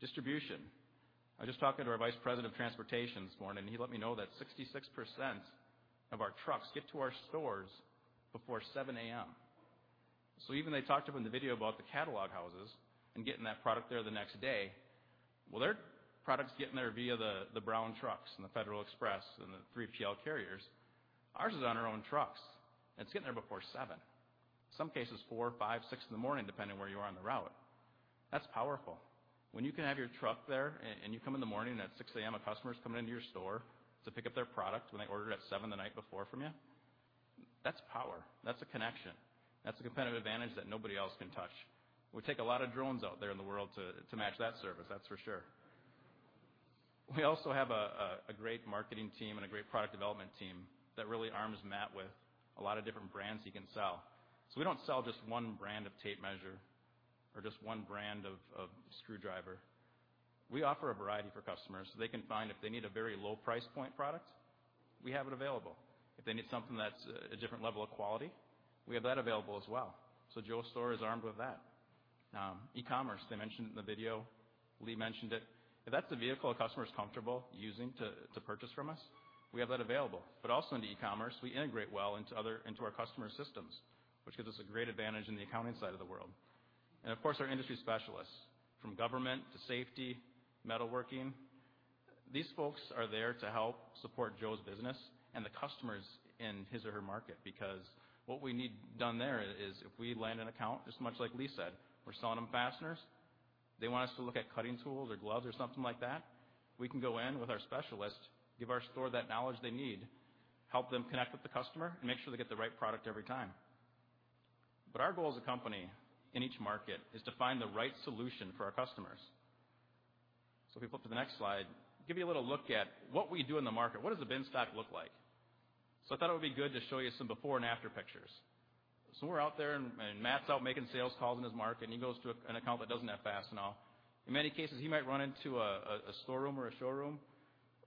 Distribution. I was just talking to our vice president of transportation this morning, and he let me know that 66% of our trucks get to our stores before 7:00 A.M. Even they talked about in the video about the catalog houses and getting that product there the next day. Their product's getting there via the brown trucks and Federal Express and the 3PL carriers. Ours is on our own trucks, and it's getting there before 7:00 A.M. Some cases, 4:00, 5:00, 6:00 in the morning, depending where you are on the route. That's powerful. When you can have your truck there and you come in the morning at 6:00 A.M., a customer's coming into your store to pick up their product when they ordered at 7:00 the night before from you, that's power. That's a connection. That's a competitive advantage that nobody else can touch. It would take a lot of drones out there in the world to match that service, that's for sure. We also have a great marketing team and a great product development team that really arms Matt with a lot of different brands he can sell. We don't sell just one brand of tape measure or just one brand of screwdriver. We offer a variety for customers so they can find if they need a very low price point product, we have it available. If they need something that's a different level of quality, we have that available as well. Joe's store is armed with that. E-commerce, they mentioned in the video, Lee mentioned it. If that's the vehicle a customer is comfortable using to purchase from us, we have that available. Also into e-commerce, we integrate well into our customer systems, which gives us a great advantage in the accounting side of the world. And of course, our industry specialists. From government to safety, metalworking, these folks are there to help support Joe's business and the customers in his or her market because what we need done there is if we land an account, just much like Lee said, we're selling them fasteners. They want us to look at cutting tools or gloves or something like that. We can go in with our specialist, give our store that knowledge they need, help them connect with the customer, and make sure they get the right product every time. Our goal as a company in each market is to find the right solution for our customers. If we flip to the next slide, give you a little look at what we do in the market. What does the bin stock look like? I thought it would be good to show you some before and after pictures. We're out there and Matt's out making sales calls in his market, and he goes to an account that doesn't have Fastenal. In many cases, he might run into a storeroom or a showroom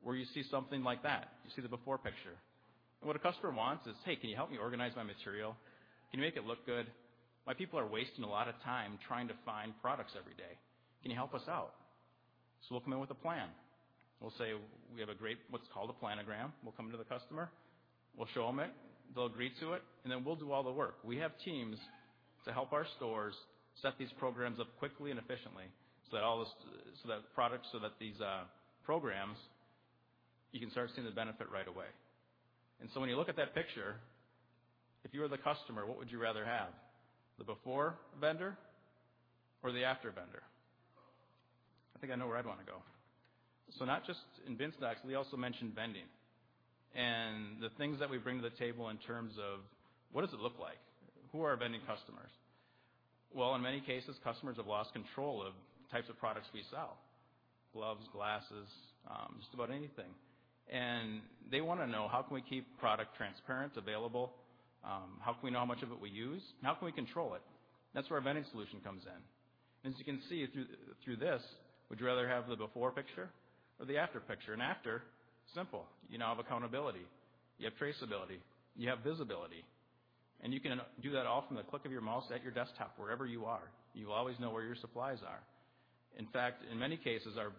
where you see something like that. You see the before picture. What a customer wants is, "Hey, can you help me organize my material? Can you make it look good? My people are wasting a lot of time trying to find products every day. Can you help us out?" We'll come in with a plan. We'll say we have a great, what's called a planogram. We'll come to the customer. We'll show them it. They'll agree to it, we'll do all the work. We have teams to help our stores set these programs up quickly and efficiently, so that these programs, you can start seeing the benefit right away. When you look at that picture, if you were the customer, what would you rather have? The before vendor or the after vendor? I think I know where I'd want to go. Not just in bin stocks, Lee also mentioned vending. The things that we bring to the table in terms of what does it look like? Who are our vending customers? In many cases, customers have lost control of types of products we sell. Gloves, glasses, just about anything. They want to know how can we keep product transparent, available? How can we know how much of it we use? How can we control it? That's where our vending solution comes in. As you can see through this, would you rather have the before picture or the after picture? After, simple. You now have accountability. You have traceability. You have visibility. You can do that all from the click of your mouse at your desktop, wherever you are. You always know where your supplies are. In fact, in many cases, our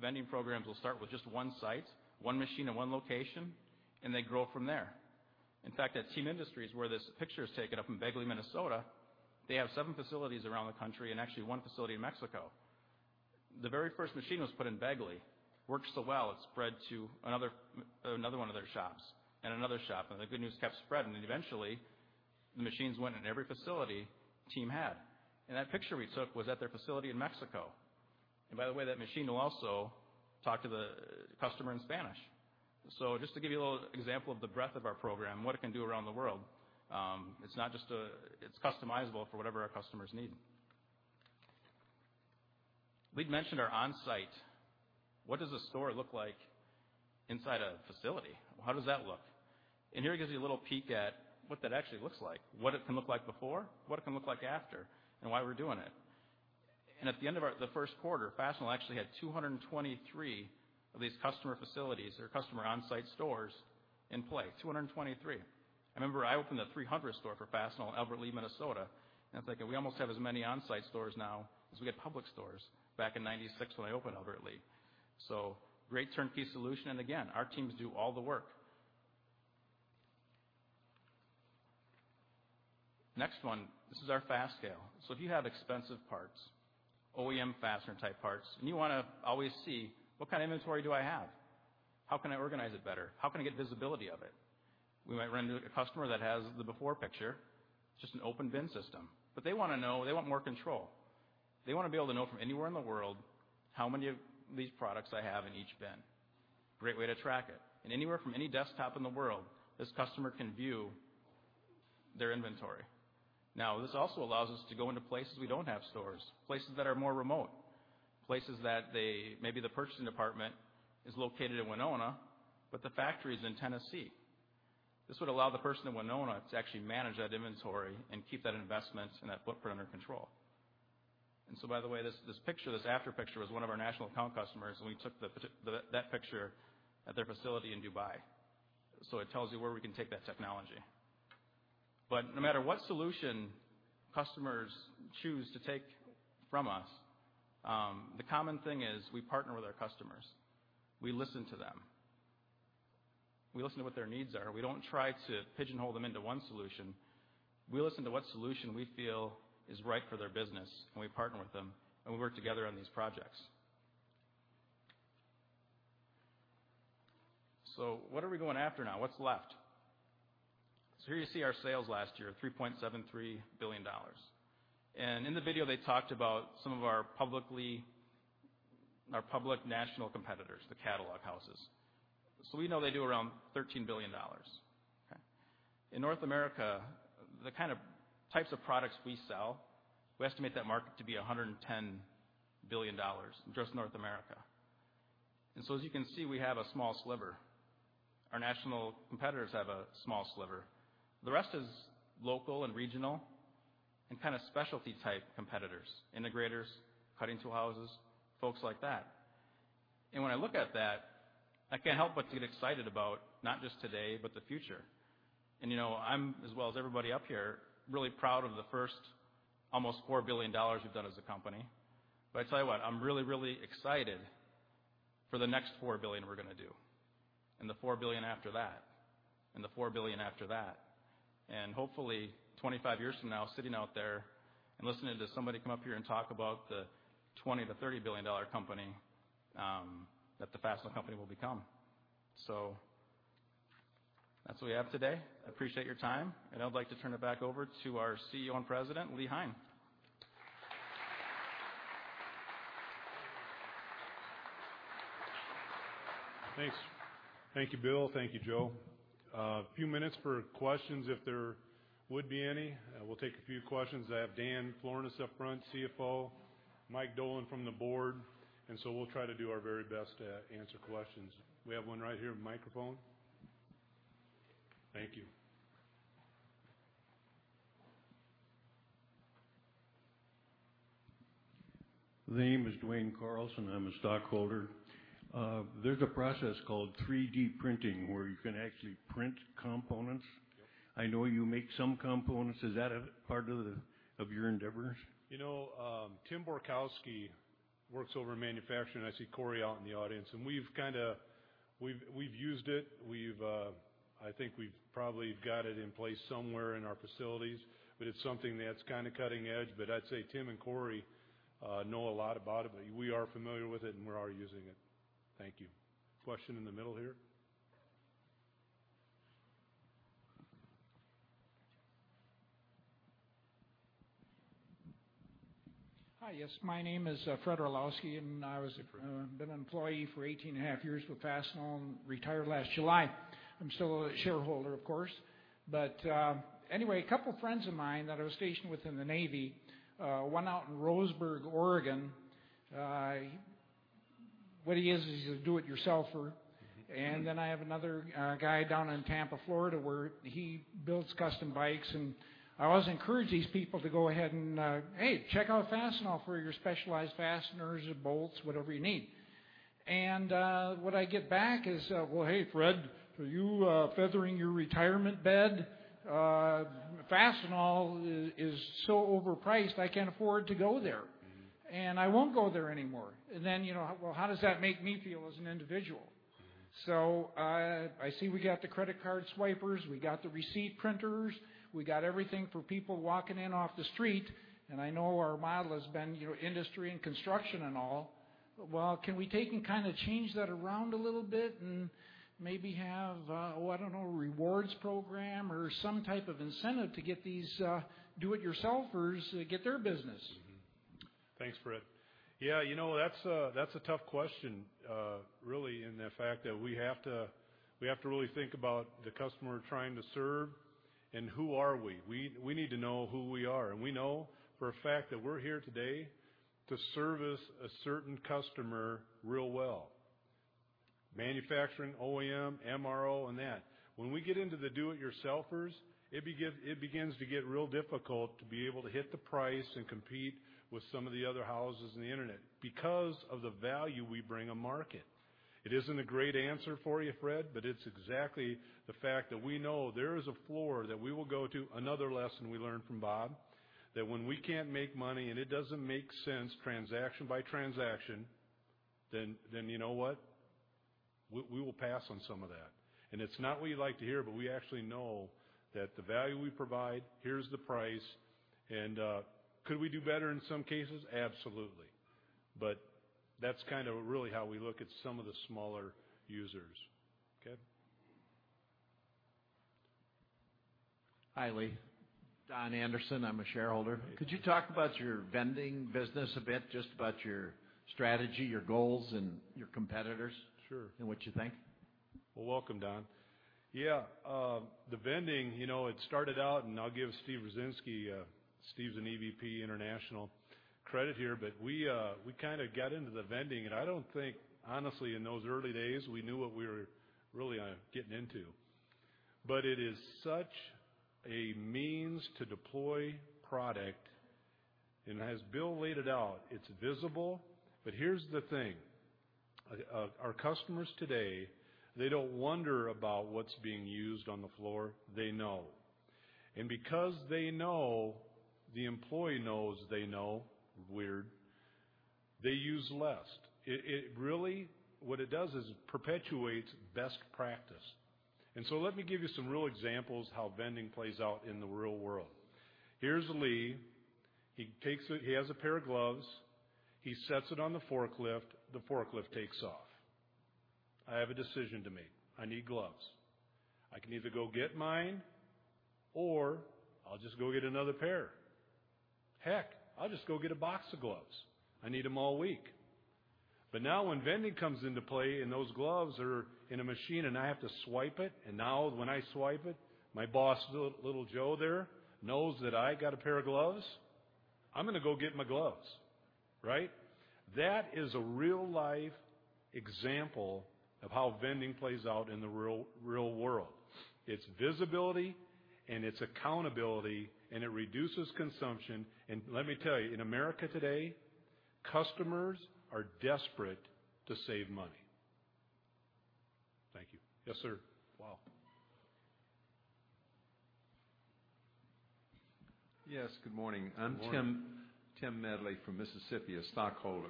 vending programs will start with just one site, one machine in one location, and they grow from there. In fact, at TEAM Industries, where this picture is taken up in Bagley, Minnesota, they have seven facilities around the country and actually one facility in Mexico. The very first machine was put in Bagley. Worked so well, it spread to another one of their shops and another shop, the good news kept spreading, and eventually, the machines went in every facility TEAM had. That picture we took was at their facility in Mexico. By the way, that machine will also talk to the customer in Spanish. Just to give you a little example of the breadth of our program, what it can do around the world. It's customizable for whatever our customers need. Lee mentioned our on-site. What does a store look like inside a facility? How does that look? Here gives you a little peek at what that actually looks like, what it can look like before, what it can look like after, and why we're doing it. At the end of the first quarter, Fastenal actually had 223 of these customer facilities or customer on-site stores in place. 223. I remember I opened the 300th store for Fastenal in Albert Lea, Minnesota. It's like we almost have as many on-site stores now as we had public stores back in 1996 when I opened Albert Lea. Great turnkey solution. Again, our teams do all the work. Next one, this is our Fast ScaleSM. If you have expensive parts, OEM fastener-type parts, and you want to always see, what kind of inventory do I have? How can I organize it better? How can I get visibility of it? We might run into a customer that has the before picture, just an open bin system. They want to know, they want more control. They want to be able to know from anywhere in the world how many of these products I have in each bin. Great way to track it. Anywhere from any desktop in the world, this customer can view their inventory. This also allows us to go into places we don't have stores, places that are more remote, places that maybe the purchasing department is located in Winona, but the factory's in Tennessee. This would allow the person in Winona to actually manage that inventory and keep that investment and that footprint under control. By the way, this after picture was one of our national account customers, and we took that picture at their facility in Dubai. It tells you where we can take that technology. No matter what solution customers choose to take from us, the common thing is we partner with our customers. We listen to them. We listen to what their needs are. We don't try to pigeonhole them into one solution. We listen to what solution we feel is right for their business, and we partner with them, and we work together on these projects. What are we going after now? What's left? Here you see our sales last year, $3.73 billion. In the video, they talked about some of our public national competitors, the catalog houses. We know they do around $13 billion. Okay. In North America, the kind of types of products we sell, we estimate that market to be $110 billion in just North America. As you can see, we have a small sliver. Our national competitors have a small sliver. The rest is local and regional, and kind of specialty-type competitors, integrators, cutting tool houses, folks like that. When I look at that, I can't help but to get excited about not just today, but the future. I'm, as well as everybody up here, really proud of the first almost $4 billion we've done as a company. I tell you what, I'm really, really excited for the next $4 billion we're going to do, and the $4 billion after that, and the $4 billion after that. Hopefully, 25 years from now, sitting out there and listening to somebody come up here and talk about the $20 billion-$30 billion company that the Fastenal Company will become. That's what we have today. I appreciate your time, and I'd like to turn it back over to our CEO and President, Lee Hein. Thanks. Thank you, Bill. Thank you, Joe. A few minutes for questions, if there would be any. We'll take a few questions. I have Dan Florness up front, CFO, Mike Dolan from the board, we'll try to do our very best to answer questions. We have one right here with a microphone. Thank you. The name is Duane Carlson. I'm a stockholder. There's a process called 3D printing where you can actually print components. Yep. I know you make some components. Is that a part of your endeavors? Tim Borkowski works over in manufacturing. I see Cory out in the audience, and we've used it. I think we've probably got it in place somewhere in our facilities, but it's something that's kind of cutting edge. I'd say Tim and Cory know a lot about it, but we are familiar with it, and we are using it. Thank you. Question in the middle here. Hi, yes, my name is Fred Orlowski, I was been an employee for 18 and a half years with Fastenal and retired last July. I'm still a shareholder, of course. Anyway, a couple friends of mine that I was stationed with in the Navy, one out in Roseburg, Oregon. What he is a do-it-yourselfer. I have another guy down in Tampa, Florida, where he builds custom bikes, and I always encourage these people to go ahead and, "Hey, check out Fastenal for your specialized fasteners and bolts, whatever you need." What I get back is, "Well, hey, Fred, are you feathering your retirement bed? Fastenal is so overpriced, I can't afford to go there, and I won't go there anymore." Well, how does that make me feel as an individual? I see we got the credit card swipers. We got the receipt printers. We got everything for people walking in off the street, I know our model has been industry and construction and all. Well, can we take and kind of change that around a little bit and maybe have a, I don't know, rewards program or some type of incentive to get these do-it-yourselfers, get their business? Thanks, Fred. Yeah, that's a tough question, really, in the fact that we have to really think about the customer we're trying to serve who are we. We need to know who we are, we know for a fact that we're here today to service a certain customer real well. Manufacturing, OEM, MRO, and that. When we get into the do-it-yourselfers, it begins to get real difficult to be able to hit the price and compete with some of the other houses in the Internet because of the value we bring a market. It isn't a great answer for you, Fred, it's exactly the fact that we know there is a floor that we will go to, another lesson we learned from Bob, that when we can't make money and it doesn't make sense transaction by transaction. You know what? We will pass on some of that. It's not what you like to hear, we actually know that the value we provide, here's the price. Could we do better in some cases? Absolutely. That's kind of really how we look at some of the smaller users. Okay? Hi, Lee. Don Anderson. I'm a shareholder. Hey. Could you talk about your vending business a bit, just about your strategy, your goals, and your competitors. Sure What you think? Well, welcome, Don. Yeah. The vending, it started out, and I'll give Stephen Brzezinski, Steve's an EVP international, credit here, but we kind of got into the vending, and I don't think, honestly, in those early days, we knew what we were really getting into. It is such a means to deploy product. As Bill laid it out, it's visible. Here's the thing, our customers today, they don't wonder about what's being used on the floor. They know. Because they know, the employee knows they know. Weird. They use less. Really, what it does is it perpetuates best practice. Let me give you some real examples how vending plays out in the real world. Here's Lee. He has a pair of gloves. He sets it on the forklift. The forklift takes off. I have a decision to make. I need gloves. I can either go get mine, or I'll just go get another pair. Heck, I'll just go get a box of gloves. I need them all week. Now when vending comes into play and those gloves are in a machine, and I have to swipe it, now when I swipe it, my boss, little Joe there, knows that I got a pair of gloves, I'm gonna go get my gloves. Right? That is a real-life example of how vending plays out in the real world. It's visibility, and it's accountability, and it reduces consumption. Let me tell you, in America today, customers are desperate to save money. Thank you. Yes, sir. Wow. Yes. Good morning. Good morning. I'm Tim Medley from Mississippi, a stockholder.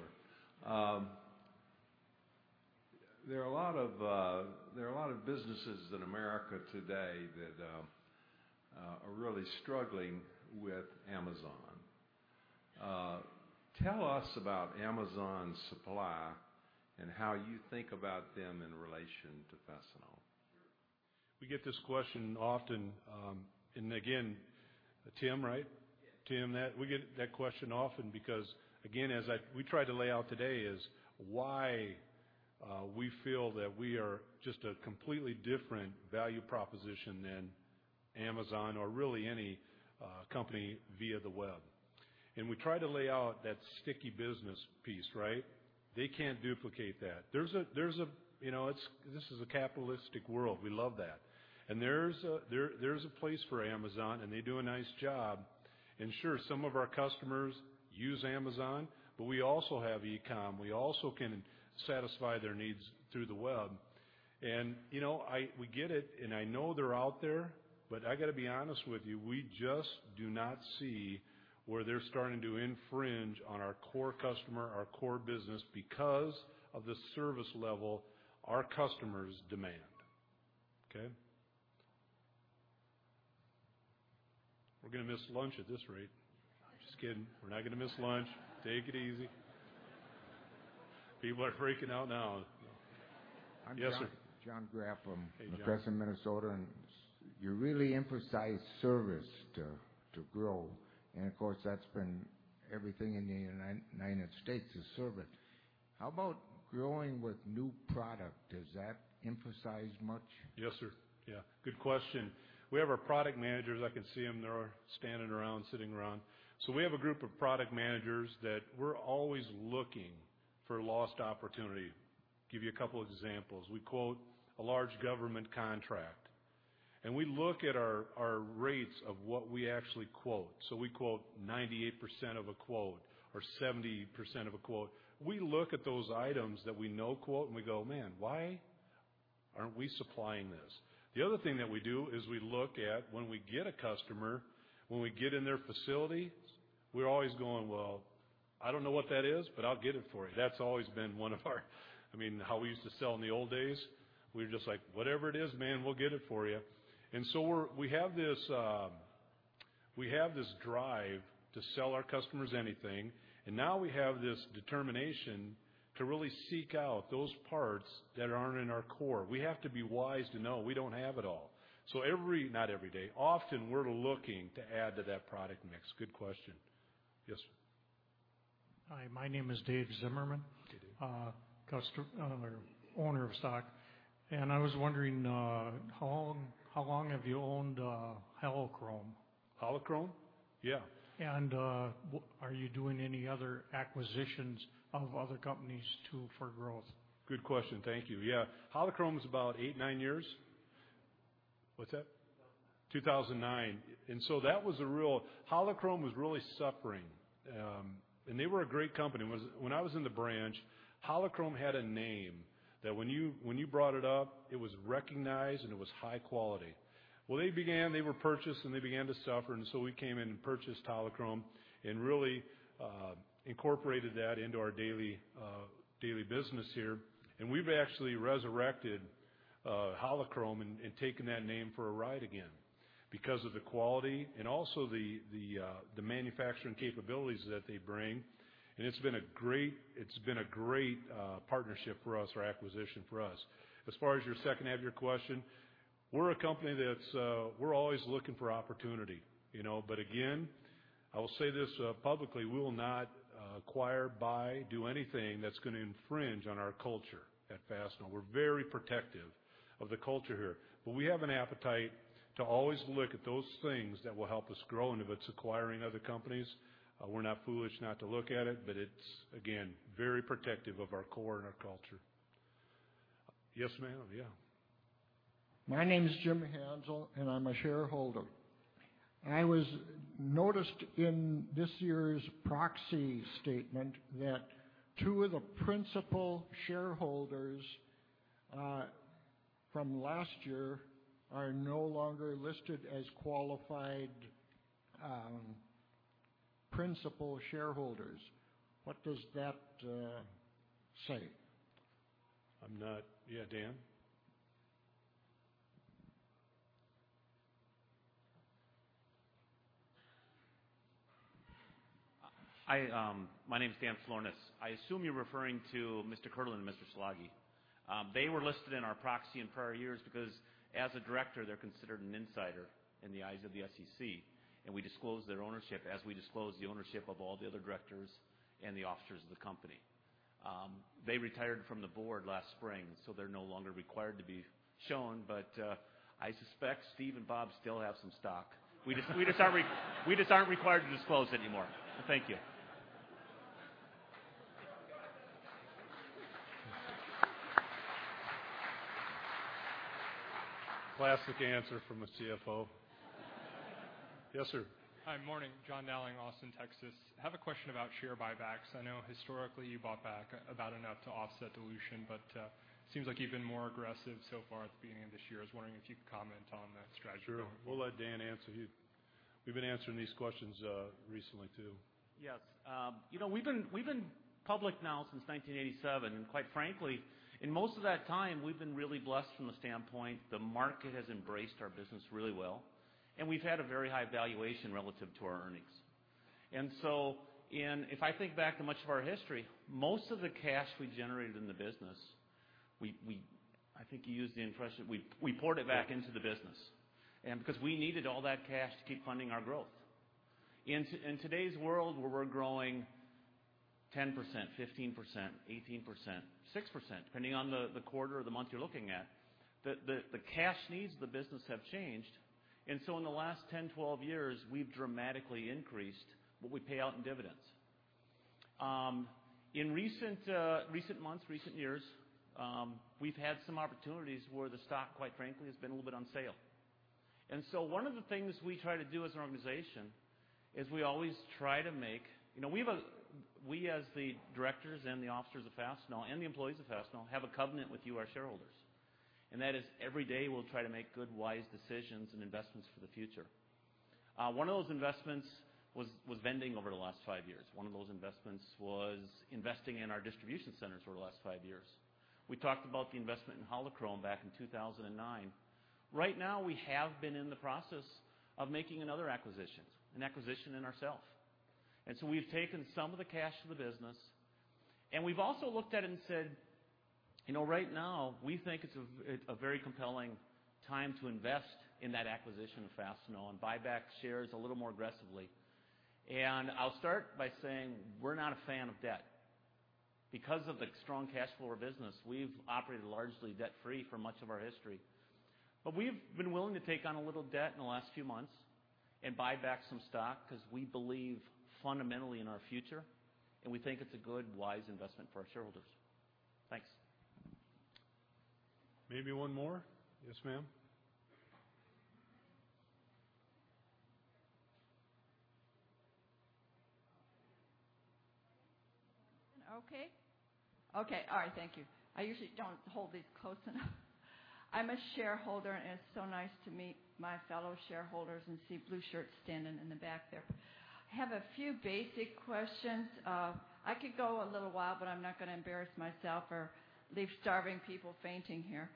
There are a lot of businesses in America today that are really struggling with Amazon. Tell us about Amazon Supply and how you think about them in relation to Fastenal. Sure. We get this question often. Again, Tim, right? Yes. Tim, we get that question often because, again, as we tried to lay out today, is why we feel that we are just a completely different value proposition than Amazon or really any company via the web. We try to lay out that sticky business piece, right? They can't duplicate that. This is a capitalistic world. We love that. There's a place for Amazon, and they do a nice job. Sure, some of our customers use Amazon, but we also have e-com. We also can satisfy their needs through the web. We get it, and I know they're out there, but I gotta be honest with you, we just do not see where they're starting to infringe on our core customer, our core business, because of the service level our customers demand. Okay? We're gonna miss lunch at this rate. Just kidding. We're not gonna miss lunch. Take it easy. People are freaking out now. Yes, sir. I'm John Graff. Hey, John MacBessin, Minnesota. You really emphasize service to grow. Of course, that's been everything in the United States is service. How about growing with new product? Does that emphasize much? Yes, sir. Yeah. Good question. We have our product managers. I can see them. They're standing around, sitting around. We have a group of product managers that we're always looking for lost opportunity. Give you a couple examples. We quote a large government contract, and we look at our rates of what we actually quote. We quote 98% of a quote or 70% of a quote. We look at those items that we no-quote, we go, "Man, why aren't we supplying this?" The other thing that we do is we look at when we get a customer, when we get in their facility, we're always going, "Well, I don't know what that is, but I'll get it for you." That's always been, I mean, how we used to sell in the old days, we were just like, "Whatever it is, man, we'll get it for you." We have this drive to sell our customers anything, and now we have this determination to really seek out those parts that aren't in our core. We have to be wise to know we don't have it all. Every, not every day, often we're looking to add to that product mix. Good question. Yes, sir. Hi, my name is Dave Zimmerman. Hey, Dave. Customer, owner of stock. I was wondering how long have you owned Holo-Krome? Holo-Krome? Yeah. Are you doing any other acquisitions of other companies too, for growth? Good question. Thank you. Yeah. Holo-Krome is about eight, nine years. What's that? 2009. Holo-Krome was really suffering. They were a great company. When I was in the branch, Holo-Krome had a name that when you brought it up, it was recognized, and it was high quality. Well, they began, they were purchased, and they began to suffer, so we came in and purchased Holo-Krome and really incorporated that into our daily business here. We've actually resurrected Holo-Krome and taken that name for a ride again because of the quality and also the manufacturing capabilities that they bring. It's been a great partnership for us, or acquisition for us. As far as your second half of your question, we're a company that's always looking for opportunity. Again, I will say this publicly, we will not acquire, buy, do anything that's going to infringe on our culture at Fastenal. We're very protective of the culture here. We have an appetite to always look at those things that will help us grow. If it's acquiring other companies, we're not foolish not to look at it's, again, very protective of our core and our culture. Yes, ma'am, yeah. My name is Jim Hansel, and I'm a shareholder. I noticed in this year's proxy statement that two of the principal shareholders from last year are no longer listed as qualified principal shareholders. What does that say? I'm not Dan? Hi, my name's Dan Florness. I assume you're referring to Mr. Kierlin and Mr. Slaggie. They were listed in our proxy in prior years because, as a director, they're considered an insider in the eyes of the SEC, and we disclose their ownership as we disclose the ownership of all the other directors and the officers of the company. They retired from the board last spring, they're no longer required to be shown, I suspect Steve and Bob still have some stock. We just aren't required to disclose it anymore. Thank you. Classic answer from a CFO. Yes, sir. Hi, morning. John Dowling, Austin, Texas. I have a question about share buybacks. I know historically you bought back about enough to offset dilution, it seems like you've been more aggressive so far at the beginning of this year. I was wondering if you could comment on that strategy. Sure. We'll let Dan answer you. We've been answering these questions recently, too. Yes. We've been public now since 1987, quite frankly, in most of that time, we've been really blessed from the standpoint the market has embraced our business really well, we've had a very high valuation relative to our earnings. If I think back to much of our history, most of the cash we generated in the business, I think you used the impression we poured it back into the business because we needed all that cash to keep funding our growth. In today's world where we're growing 10%, 15%, 18%, 6%, depending on the quarter or the month you're looking at, the cash needs of the business have changed. In the last 10, 12 years, we've dramatically increased what we pay out in dividends. In recent months, recent years, we've had some opportunities where the stock, quite frankly, has been a little bit on sale. One of the things we try to do as an organization is we always try to make. We as the directors and the officers of Fastenal and the employees of Fastenal have a covenant with you, our shareholders. That is every day we'll try to make good, wise decisions and investments for the future. One of those investments was vending over the last five years. One of those investments was investing in our distribution centers over the last five years. We talked about the investment in Holo-Krome back in 2009. Right now, we have been in the process of making another acquisition, an acquisition in ourself. We've taken some of the cash from the business, and we've also looked at it and said, right now we think it's a very compelling time to invest in that acquisition of Fastenal and buy back shares a little more aggressively. I'll start by saying we're not a fan of debt. Because of the strong cash flow of our business, we've operated largely debt-free for much of our history. We've been willing to take on a little debt in the last few months and buy back some stock because we believe fundamentally in our future, and we think it's a good, wise investment for our shareholders. Thanks. Maybe one more. Yes, ma'am. Okay. All right, thank you. I usually don't hold these close enough. I'm a shareholder, and it's so nice to meet my fellow shareholders and see blue shirts standing in the back there. I have a few basic questions. I could go a little while, but I'm not going to embarrass myself or leave starving people fainting here.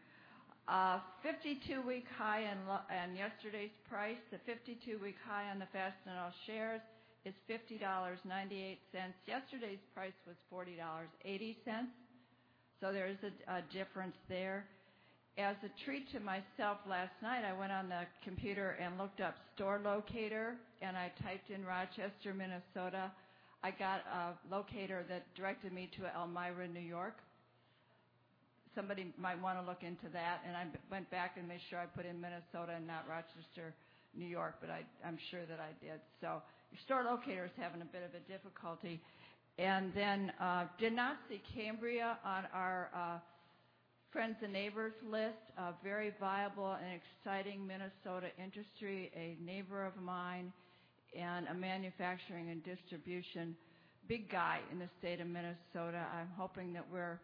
52-week high on yesterday's price, the 52-week high on the Fastenal shares is $50.98. Yesterday's price was $40.80, so there is a difference there. As a treat to myself last night, I went on the computer and looked up store locator, and I typed in Rochester, Minnesota. I got a locator that directed me to Elmira, New York. Somebody might want to look into that. I went back and made sure I put in Minnesota and not Rochester, New York, but I'm sure that I did. Your store locator is having a bit of a difficulty. Did not see Cambria on our friends and neighbors list. A very viable and exciting Minnesota industry, a neighbor of mine and a manufacturing and distribution big guy in the state of Minnesota. I'm hoping that we're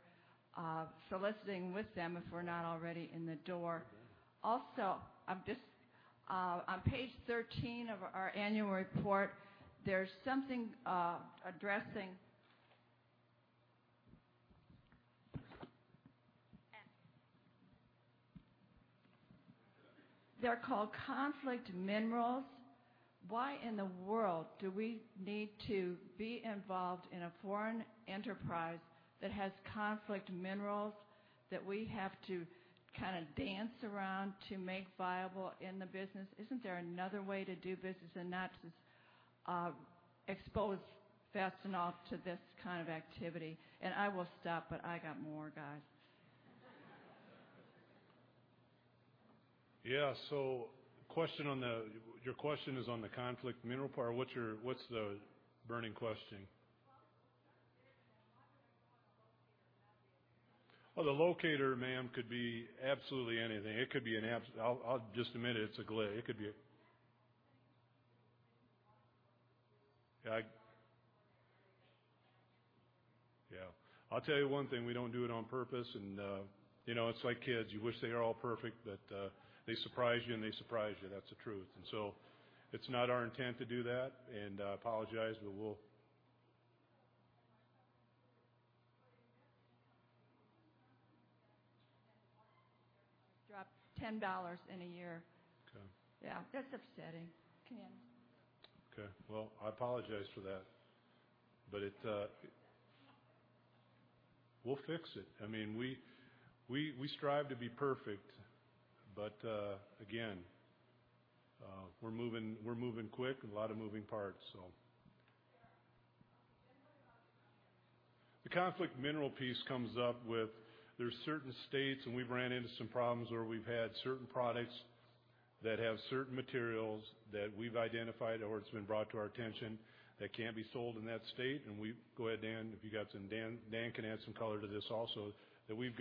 soliciting with them if we're not already in the door. On page 13 of our annual report, there's something addressing They're called Conflict Minerals. Why in the world do we need to be involved in a foreign enterprise that has Conflict Minerals that we have to kind of dance around to make viable in the business? Isn't there another way to do business and not just expose Fastenal to this kind of activity? I will stop. I got more, guys. Your question is on the Conflict Mineral part. What's the burning question? What's the locator have in there? The locator, ma'am, could be absolutely anything. Just a minute. It's a glitch. It could be. I'll tell you one thing. We don't do it on purpose, and it's like kids. You wish they are all perfect, but they surprise you, and they surprise you. That's the truth. It's not our intent to do that, and I apologize. We will. dropped $10 in a year. Okay. Yeah. That's upsetting. Come here. Okay. Well, I apologize for that. We'll fix it. We strive to be perfect, again, we're moving quick and a lot of moving parts. Yeah. The Conflict Minerals piece. The Conflict Minerals piece comes up with, there's certain states, and we've ran into some problems where we've had certain products that have certain materials that we've identified or it's been brought to our attention that can't be sold in that state. Go ahead, Dan can add some color to this also, that we have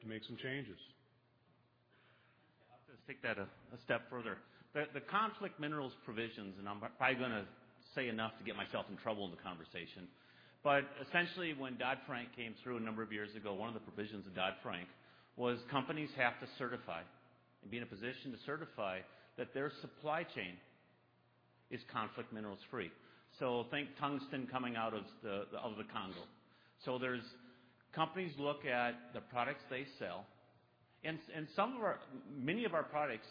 to make some changes. Yeah. I'll just take that a step further. The Conflict Minerals provisions, I'm probably going to say enough to get myself in trouble in the conversation. Essentially, when Dodd-Frank came through a number of years ago, one of the provisions of Dodd-Frank was companies have to certify and be in a position to certify that their supply chain is Conflict Minerals free. Think tungsten coming out of the Congo. Companies look at the products they sell, and many of our products,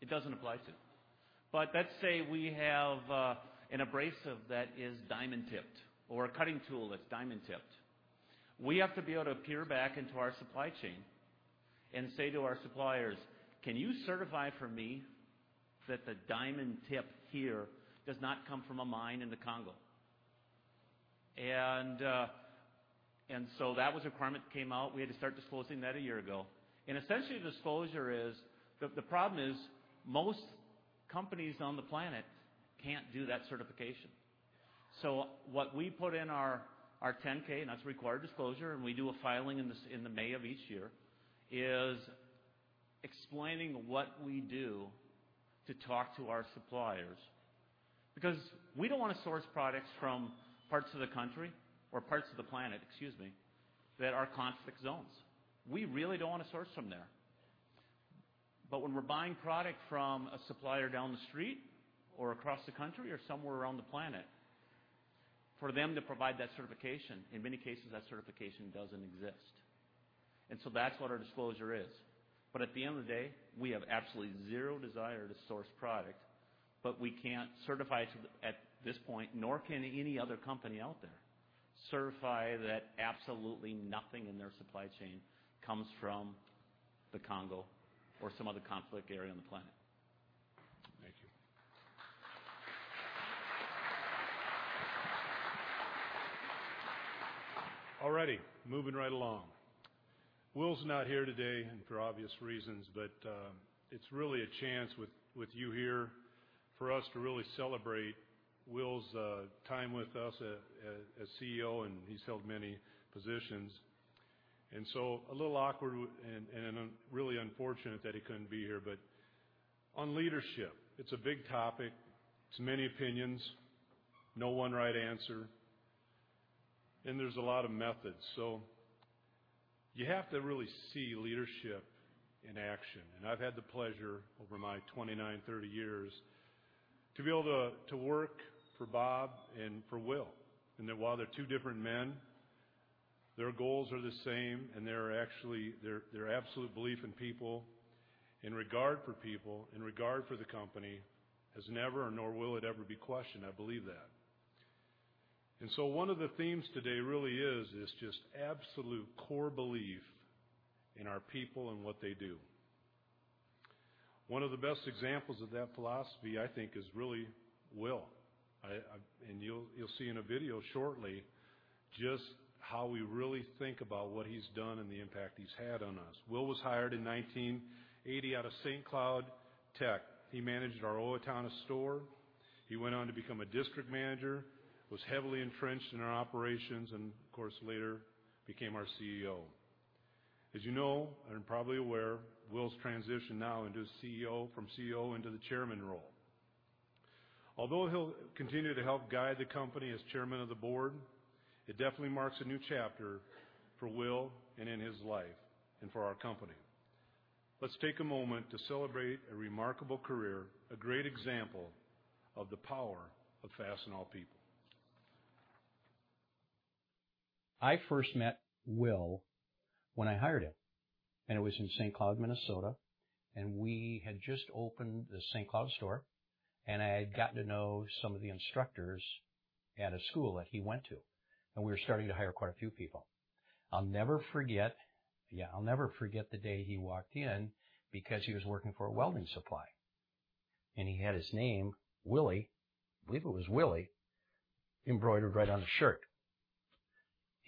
it doesn't apply to. Let's say we have an abrasive that is diamond-tipped or a cutting tool that's diamond-tipped. We have to be able to peer back into our supply chain and say to our suppliers, "Can you certify for me that the diamond tip here does not come from a mine in the Congo?" That was a requirement that came out. We had to start disclosing that a year ago. Essentially, the disclosure is, the problem is most companies on the planet can't do that certification. What we put in our 10-K, that's a required disclosure, we do a filing in the May of each year, is explaining what we do to talk to our suppliers. Because we don't want to source products from parts of the country or parts of the planet, excuse me, that are Conflict zones. We really don't want to source from there. When we're buying product from a supplier down the street or across the country or somewhere around the planet, for them to provide that certification, in many cases, that certification doesn't exist. That's what our disclosure is. At the end of the day, we have absolutely zero desire to source product, but we can't certify it at this point, nor can any other company out there certify that absolutely nothing in their supply chain comes from the Congo or some other conflict area on the planet. Thank you. All righty, moving right along. Will's not here today and for obvious reasons, it's really a chance with you here for us to really celebrate Will's time with us as CEO, he's held many positions. A little awkward and really unfortunate that he couldn't be here, on leadership, it's a big topic. It's many opinions, no one right answer, there's a lot of methods. You have to really see leadership in action. I've had the pleasure over my 29, 30 years to be able to work for Bob and for Will. That while they're two different men, their goals are the same, their absolute belief in people, in regard for people, in regard for the company has never nor will it ever be questioned. I believe that. One of the themes today really is just absolute core belief in our people and what they do. One of the best examples of that philosophy, I think, is really Will. You'll see in a video shortly just how we really think about what he's done and the impact he's had on us. Will was hired in 1980 out of St. Cloud Tech. He managed our Owatonna store. He went on to become a district manager, was heavily entrenched in our operations, later became our CEO. As you know, probably aware, Will's transitioned now from CEO into the chairman role. Although he'll continue to help guide the company as Chairman of the Board, it definitely marks a new chapter for Will and in his life and for our company. Let's take a moment to celebrate a remarkable career, a great example of the power of Fastenal people. I first met Will when I hired him, and it was in St. Cloud, Minnesota. We had just opened the St. Cloud store, and I had gotten to know some of the instructors at a school that he went to. We were starting to hire quite a few people. I'll never forget the day he walked in because he was working for a welding supply, and he had his name, Willy, I believe it was Willy, embroidered right on his shirt.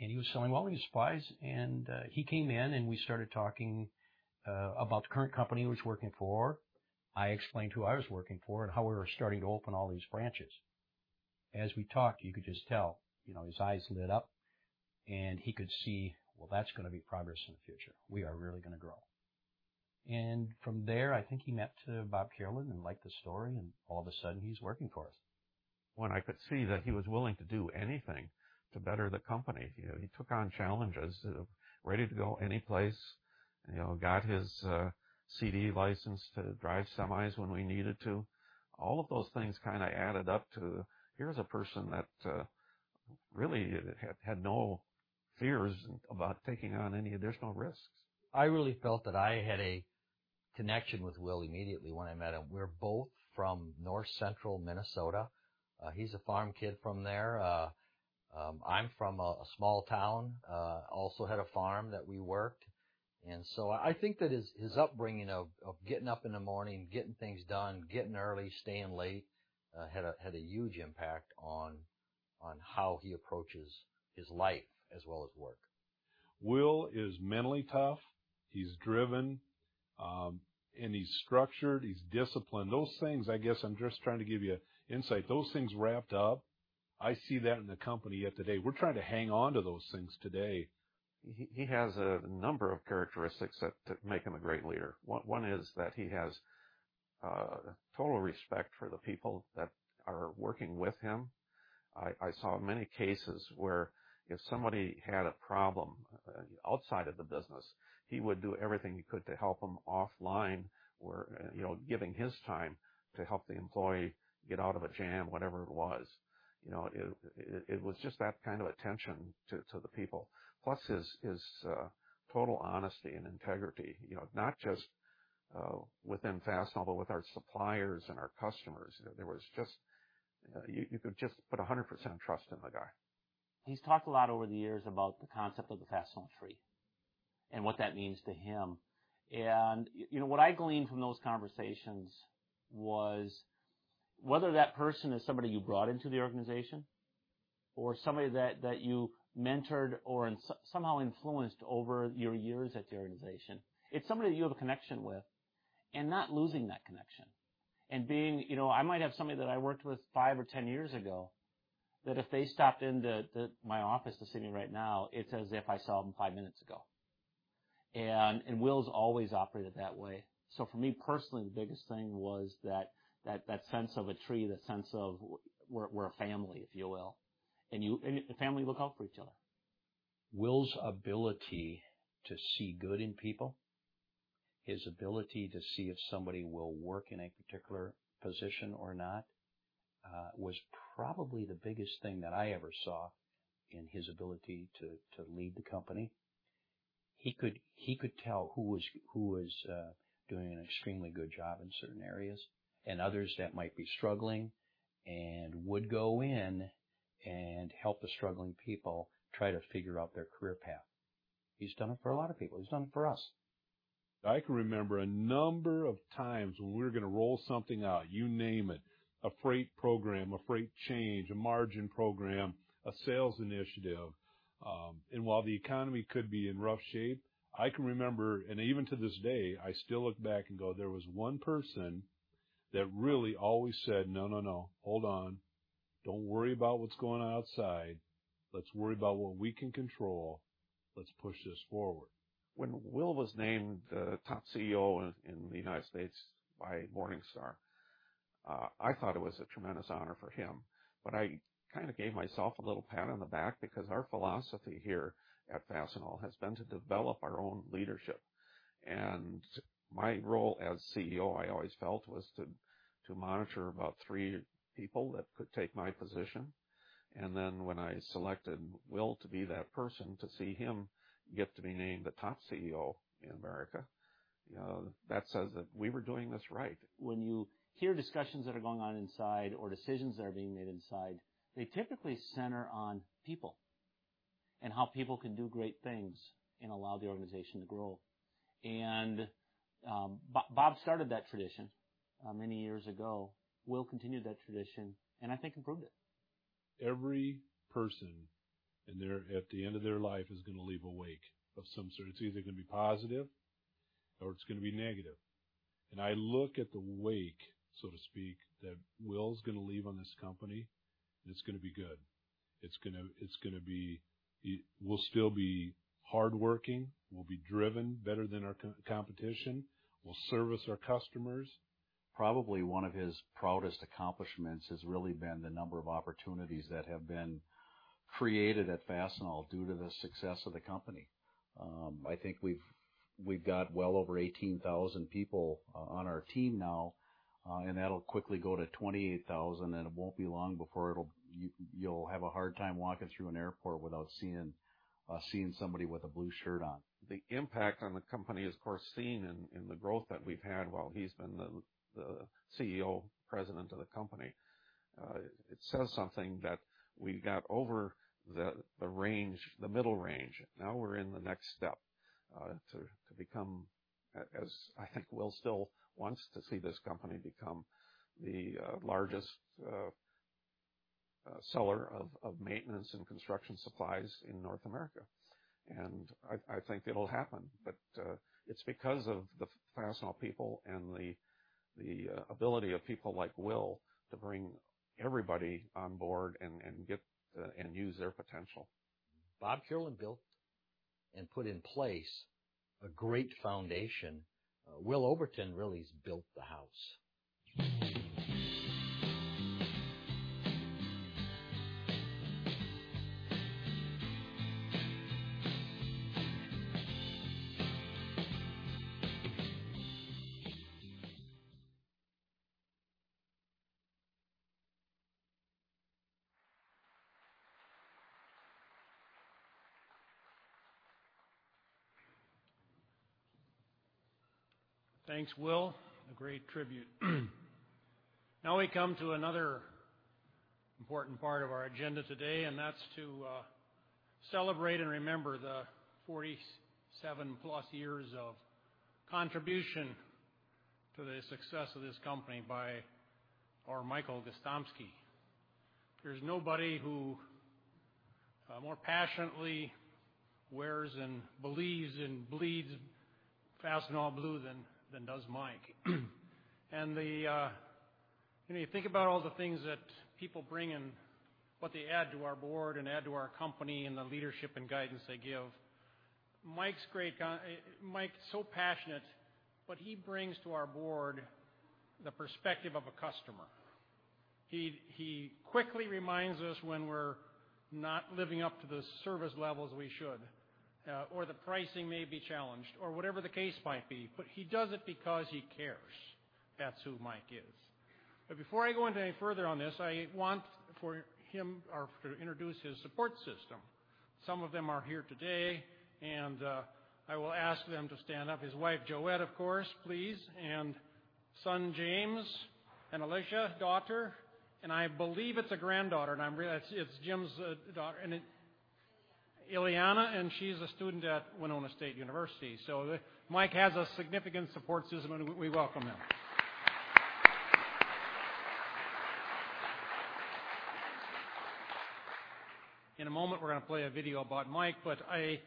He was selling welding supplies, and he came in, and we started talking about the current company he was working for. I explained who I was working for and how we were starting to open all these branches. As we talked, you could just tell, his eyes lit up, and he could see, well, that's going to be progress in the future. We are really going to grow. From there, I think he met Bob Kierlin and liked the story, and all of a sudden, he's working for us. When I could see that he was willing to do anything to better the company, he took on challenges, ready to go anyplace. Got his CDL license to drive semis when we needed to. All of those things kind of added up to, here's a person that really had no fears about taking on any additional risks. I really felt that I had a connection with Will immediately when I met him. We're both from North Central Minnesota. He's a farm kid from there. I'm from a small town, also had a farm that we worked. I think that his upbringing of getting up in the morning, getting things done, getting early, staying late, had a huge impact on how he approaches his life as well as work. Will is mentally tough, he's driven, and he's structured, he's disciplined. Those things, I guess I'm just trying to give you insight, those things wrapped up, I see that in the company yet today. We're trying to hang on to those things today. He has a number of characteristics that make him a great leader. One is that he has total respect for the people that are working with him. I saw many cases where if somebody had a problem outside of the business, he would do everything he could to help them offline, where giving his time to help the employee get out of a jam, whatever it was. It was just that kind of attention to the people. His total honesty and integrity. Not just within Fastenal, but with our suppliers and our customers. You could just put 100% trust in the guy. He's talked a lot over the years about the concept of the Fastenal tree and what that means to him. What I gleaned from those conversations was whether that person is somebody you brought into the organization or somebody that you mentored or somehow influenced over your years at the organization. It's somebody that you have a connection with and not losing that connection. I might have somebody that I worked with five or 10 years ago, that if they stopped into my office to see me right now, it's as if I saw them five minutes ago. Will's always operated that way. For me personally, the biggest thing was that sense of a tree, that sense of we're a family, if you will. Family look out for each other. Will's ability to see good in people, his ability to see if somebody will work in a particular position or not, was probably the biggest thing that I ever saw in his ability to lead the company. He could tell who was doing an extremely good job in certain areas, and others that might be struggling, and would go in and help the struggling people try to figure out their career path. He's done it for a lot of people. He's done it for us. I can remember a number of times when we were going to roll something out, you name it, a freight program, a freight change, a margin program, a sales initiative. While the economy could be in rough shape, I can remember, and even to this day, I still look back and go, there was one person that really always said, "No, no. Hold on. Don't worry about what's going on outside. Let's worry about what we can control. Let's push this forward. When Will was named the top CEO in the U.S. by Morningstar, I thought it was a tremendous honor for him. I kind of gave myself a little pat on the back because our philosophy here at Fastenal has been to develop our own leadership. My role as CEO, I always felt, was to monitor about three people that could take my position. Then when I selected Will to be that person, to see him get to be named the top CEO in America, that says that we were doing this right. When you hear discussions that are going on inside or decisions that are being made inside, they typically center on people and how people can do great things and allow the organization to grow. Bob started that tradition many years ago. Will continued that tradition, and I think improved it. Every person at the end of their life is going to leave a wake of some sort. It's either going to be positive. It's going to be negative. I look at the wake, so to speak, that Will's going to leave on this company, and it's going to be good. We'll still be hardworking, we'll be driven better than our competition. We'll service our customers. Probably one of his proudest accomplishments has really been the number of opportunities that have been created at Fastenal due to the success of the company. I think we've got well over 18,000 people on our team now, and that'll quickly go to 28,000, and it won't be long before you'll have a hard time walking through an airport without seeing somebody with a blue shirt on. The impact on the company is, of course, seen in the growth that we've had while he's been the CEO, President of the company. It says something that we got over the middle range. Now we're in the next step to become, as I think Will still wants to see this company become, the largest seller of maintenance and construction supplies in North America. I think it'll happen, but it's because of the Fastenal people and the ability of people like Will to bring everybody on board and use their potential. Bob Kierlin built and put in place a great foundation. Will Oberton really built the house. Thanks, Will. A great tribute. Now we come to another important part of our agenda today, and that's to celebrate and remember the 47 plus years of contribution to the success of this company by our Michael Gostomski. There's nobody who more passionately wears and believes and bleeds Fastenal blue than does Mike. When you think about all the things that people bring and what they add to our board and add to our company and the leadership and guidance they give, Mike's so passionate. What he brings to our board, the perspective of a customer. He quickly reminds us when we're not living up to the service levels we should, or the pricing may be challenged, or whatever the case might be, but he does it because he cares. That's who Mike is. Before I go into any further on this, I want to introduce his support system. Some of them are here today. I will ask them to stand up. His wife, Joette, of course, please, and son, James, and Alicia, daughter, and I believe it's a granddaughter. It's Jim's daughter. Iliana. Iliana, she's a student at Winona State University. Mike has a significant support system, and we welcome them. In a moment, we're going to play a video about Mike, but I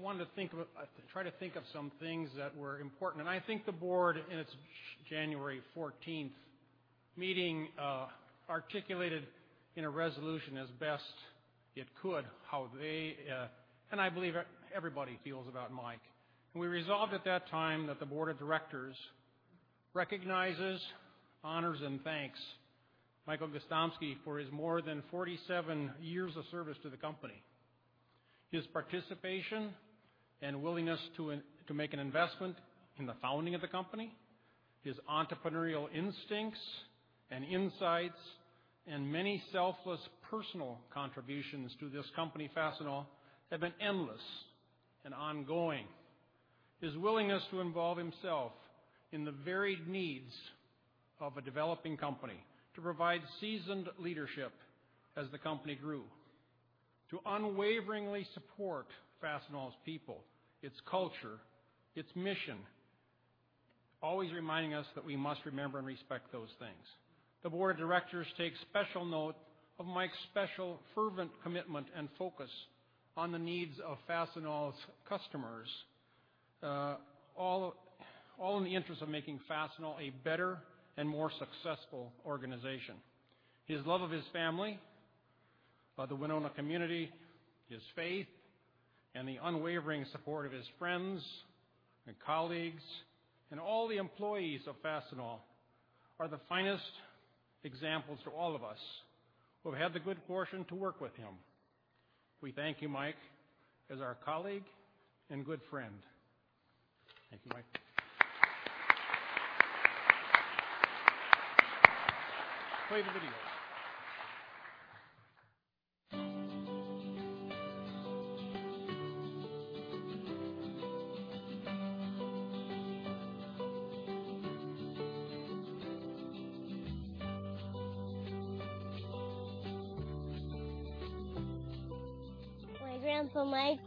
wanted to try to think of some things that were important. I think the board, in its January 14th meeting, articulated in a resolution as best it could, how they, and I believe everybody feels about Mike. We resolved at that time that the board of directors recognizes, honors, and thanks Michael Gostomski for his more than 47 years of service to the company. His participation and willingness to make an investment in the founding of the company, his entrepreneurial instincts and insights, and many selfless personal contributions to this company, Fastenal, have been endless and ongoing. His willingness to involve himself in the varied needs of a developing company, to provide seasoned leadership as the company grew, to unwaveringly support Fastenal's people, its culture, its mission, always reminding us that we must remember and respect those things. The board of directors take special note of Mike's special fervent commitment and focus on the needs of Fastenal's customers, all in the interest of making Fastenal a better and more successful organization. His love of his family, of the Winona community, his faith, and the unwavering support of his friends and colleagues, and all the employees of Fastenal are the finest examples to all of us who have had the good fortune to work with him. We thank you, Mike, as our colleague and good friend. Thank you, Mike. Play the video. My grandpa Mike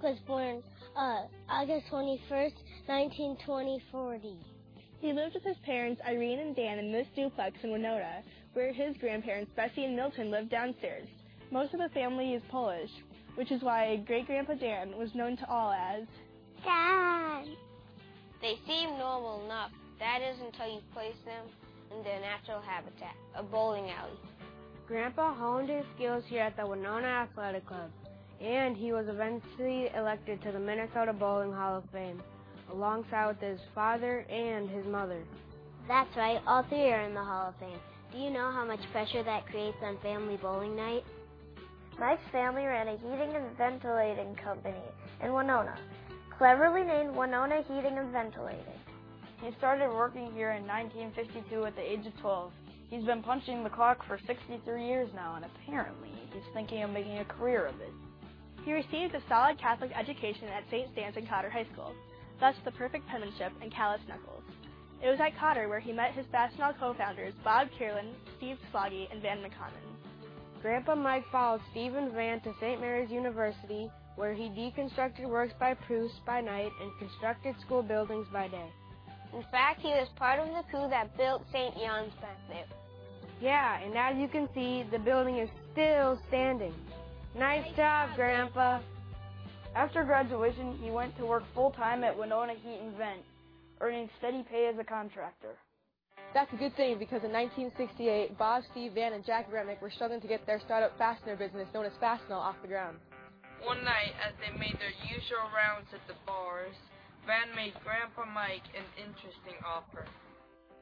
was born August 21st, 1940. He lived with his parents, Irene and Dan, in this duplex in Winona, where his grandparents, Bessie and Milton, lived downstairs. Most of the family is Polish, which is why Great Grandpa Dan was known to all as. Dan. They seem normal enough. That is until you place them in their natural habitat, a bowling alley. Grandpa honed his skills here at the Winona Athletic Club, and he was eventually elected to the Minnesota State USBC Hall of Fame, alongside his father and his mother. That's right, all three are in the Hall of Fame. Do you know how much pressure that creates on family bowling night? Mike's family ran a heating and ventilating company in Winona, cleverly named Winona Heating & Ventilating. He started working here in 1952 at the age of twelve. He's been punching the clock for 63 years now, and apparently, he's thinking of making a career of it. He received a solid Catholic education at St. Stanislaus School and Cotter High School, thus the perfect penmanship and calloused knuckles. It was at Cotter where he met his Fastenal co-founders, Bob Kierlin, Steve Slaggie, and Van McConnon. Grandpa Mike followed Steve and Van to Saint Mary's University, where he deconstructed works by Proust by night and constructed school buildings by day. he was part of the crew that built St. John's Center. Yeah, as you can see, the building is still standing. Nice job, Grandpa. Nice job, Grandpa. After graduation, he went to work full time at Winona Heating & Ventilating, earning steady pay as a contractor. That's a good thing, because in 1968, Bob, Steve, Van, and Jack Remick were struggling to get their startup fastener business, known as Fastenal, off the ground. One night, as they made their usual rounds at the bars, Van made Grandpa Mike an interesting offer.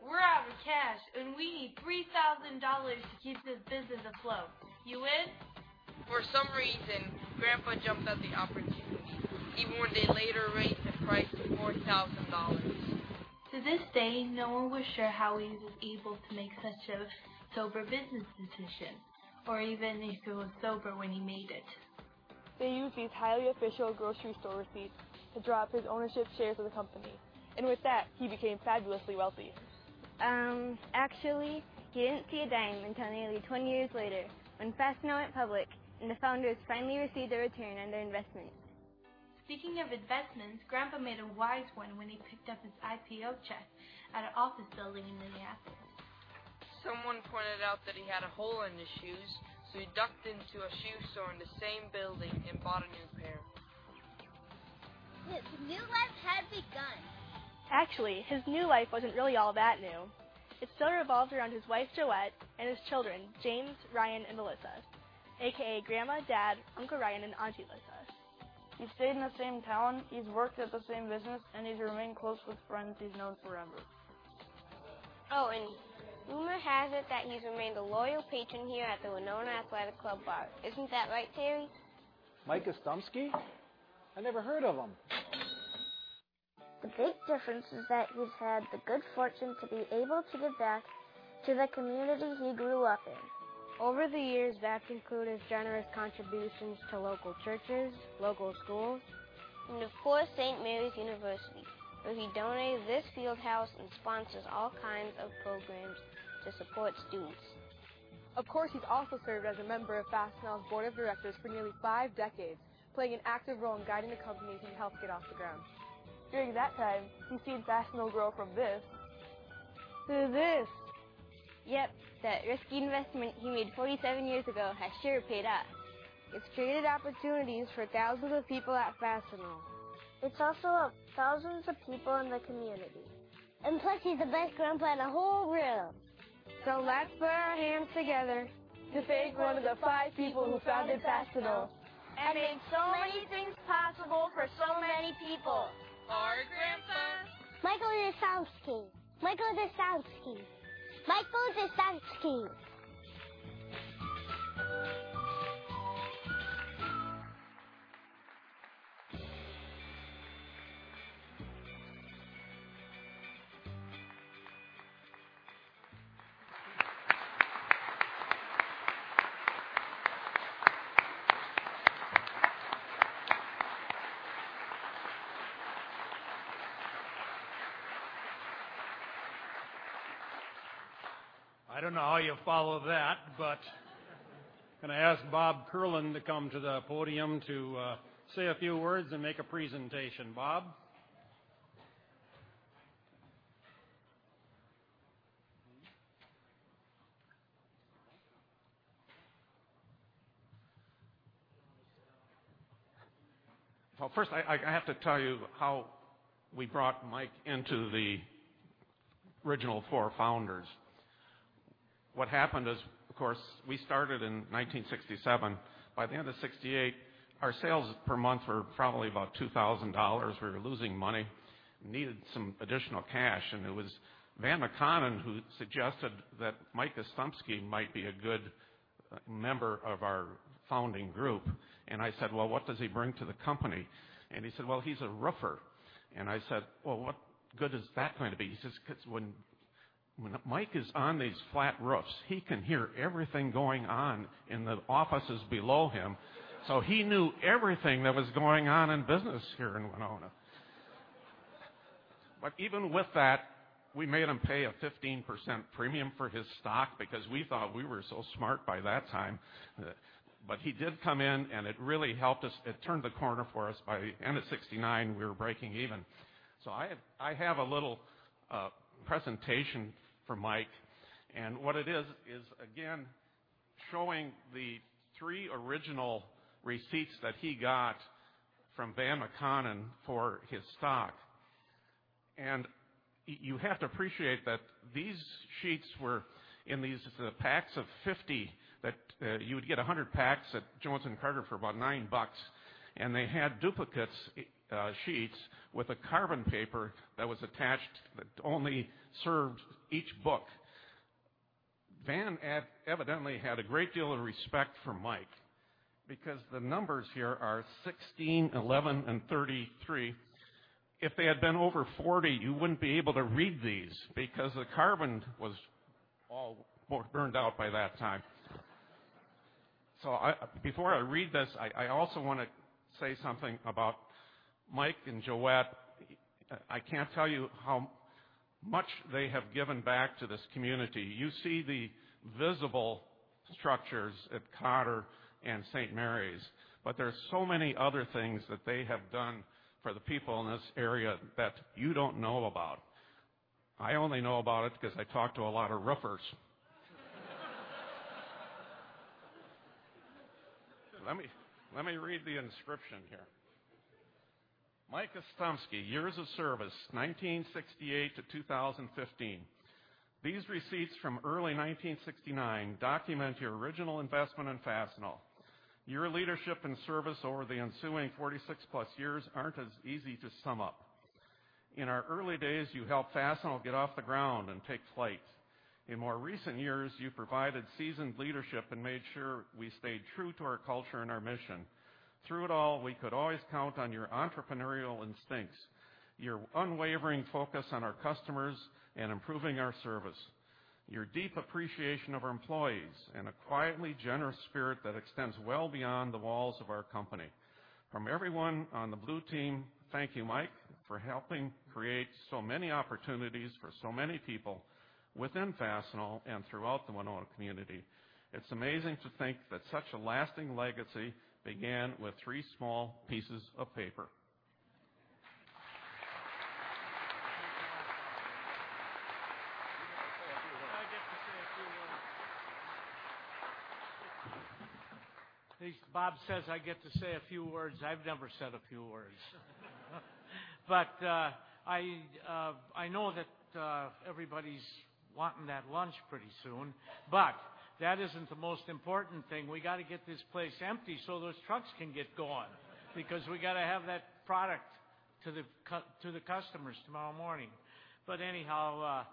"We're out of cash, and we need $3,000 to keep this business afloat. You in? For some reason, Grandpa jumped at the opportunity, even when they later raised the price to $4,000. To this day, no one was sure how he was able to make such a sober business decision, or even if he was sober when he made it. They used these highly official grocery store receipts to draw up his ownership shares of the company, and with that, he became fabulously wealthy. Actually, he didn't see a dime until nearly 20 years later, when Fastenal went public, and the founders finally received a return on their investment. Speaking of investments, Grandpa made a wise one when he picked up his IPO check at an office building in Minneapolis. Someone pointed out that he had a hole in his shoes, he ducked into a shoe store in the same building and bought a new pair. The new life had begun. Actually, his new life wasn't really all that new. It still revolved around his wife, Joette, and his children, James, Ryan, and Melissa, AKA Grandma, Dad, Uncle Ryan, and Auntie Melissa. He stayed in the same town, he's worked at the same business, and he's remained close with friends he's known forever. Oh, rumor has it that he's remained a loyal patron here at the Winona Athletic Club bar. Isn't that right, Terry? Mike Gostomski? I never heard of him. The big difference is that he's had the good fortune to be able to give back to the community he grew up in. Over the years, that's included generous contributions to local churches, local schools. Of course, Saint Mary's University, where he donated this field house and sponsors all kinds of programs to support students. Of course, he's also served as a member of Fastenal's board of directors for nearly five decades, playing an active role in guiding the company he helped get off the ground. During that time, he's seen Fastenal grow from this. To this. Yep, that risky investment he made 47 years ago has sure paid off. It's created opportunities for thousands of people at Fastenal. Plus, he's the best grandpa in the whole world. Let's put our hands together to thank one of the five people who founded Fastenal. Made so many things possible for so many people. Our grandpa. Michael Gostomski. Michael Gostomski. Michael Gostomski. I don't know how you follow that, but gonna ask Bob Kierlin to come to the podium to say a few words and make a presentation. Bob? First I have to tell you how we brought Michael into the original four founders. Of course, we started in 1967. By the end of 1968, our sales per month were probably about $2,000. We were losing money, needed some additional cash. It was Van McConnon who suggested that Michael Gostomski might be a good member of our founding group. I said, "What does he bring to the company?" He said, "He's a roofer." I said, "What good is that going to be?" He says, "Because when Michael is on these flat roofs, he can hear everything going on in the offices below him." He knew everything that was going on in business here in Winona. Even with that, we made him pay a 15% premium for his stock, because we thought we were so smart by that time. He did come in, and it really helped us. It turned the corner for us. By the end of 1969, we were breaking even. I have a little presentation for Michael. What it is showing the three original receipts that he got from Van McConnon for his stock. You have to appreciate that these sheets were in these packs of 50, that you would get 100 packs at Jones & Carter for about $9, and they had duplicate sheets with a carbon paper that was attached that only served each book. Van evidently had a great deal of respect for Michael because the numbers here are 16, 11, and 33. If they had been over 40, you wouldn't be able to read these because the carbon was all burned out by that time. Before I read this, I also want to say something about Michael and Joette. I can't tell you how much they have given back to this community. You see the visible structures at Cotter and St. Mary's, but there's so many other things that they have done for the people in this area that you don't know about. I only know about it because I talk to a lot of roofers. Let me read the inscription here. "Michael Gostomski, years of service, 1968 to 2015. These receipts from early 1969 document your original investment in Fastenal. Your leadership and service over the ensuing 46-plus years aren't as easy to sum up. In our early days, you helped Fastenal get off the ground and take flight. In more recent years, you provided seasoned leadership and made sure we stayed true to our culture and our mission. Through it all, we could always count on your entrepreneurial instincts, your unwavering focus on our customers and improving our service, your deep appreciation of our employees, and a quietly generous spirit that extends well beyond the walls of our company. From everyone on the blue team, thank you, Michael, for helping create so many opportunities for so many people within Fastenal and throughout the Winona community. It's amazing to think that such a lasting legacy began with three small pieces of paper. You get to say a few words. I get to say a few words. Bob says I get to say a few words. I've never said a few words. I know that everybody's wanting that lunch pretty soon, that isn't the most important thing. We got to get this place empty so those trucks can get going because we got to have that product to the customers tomorrow morning. Anyhow,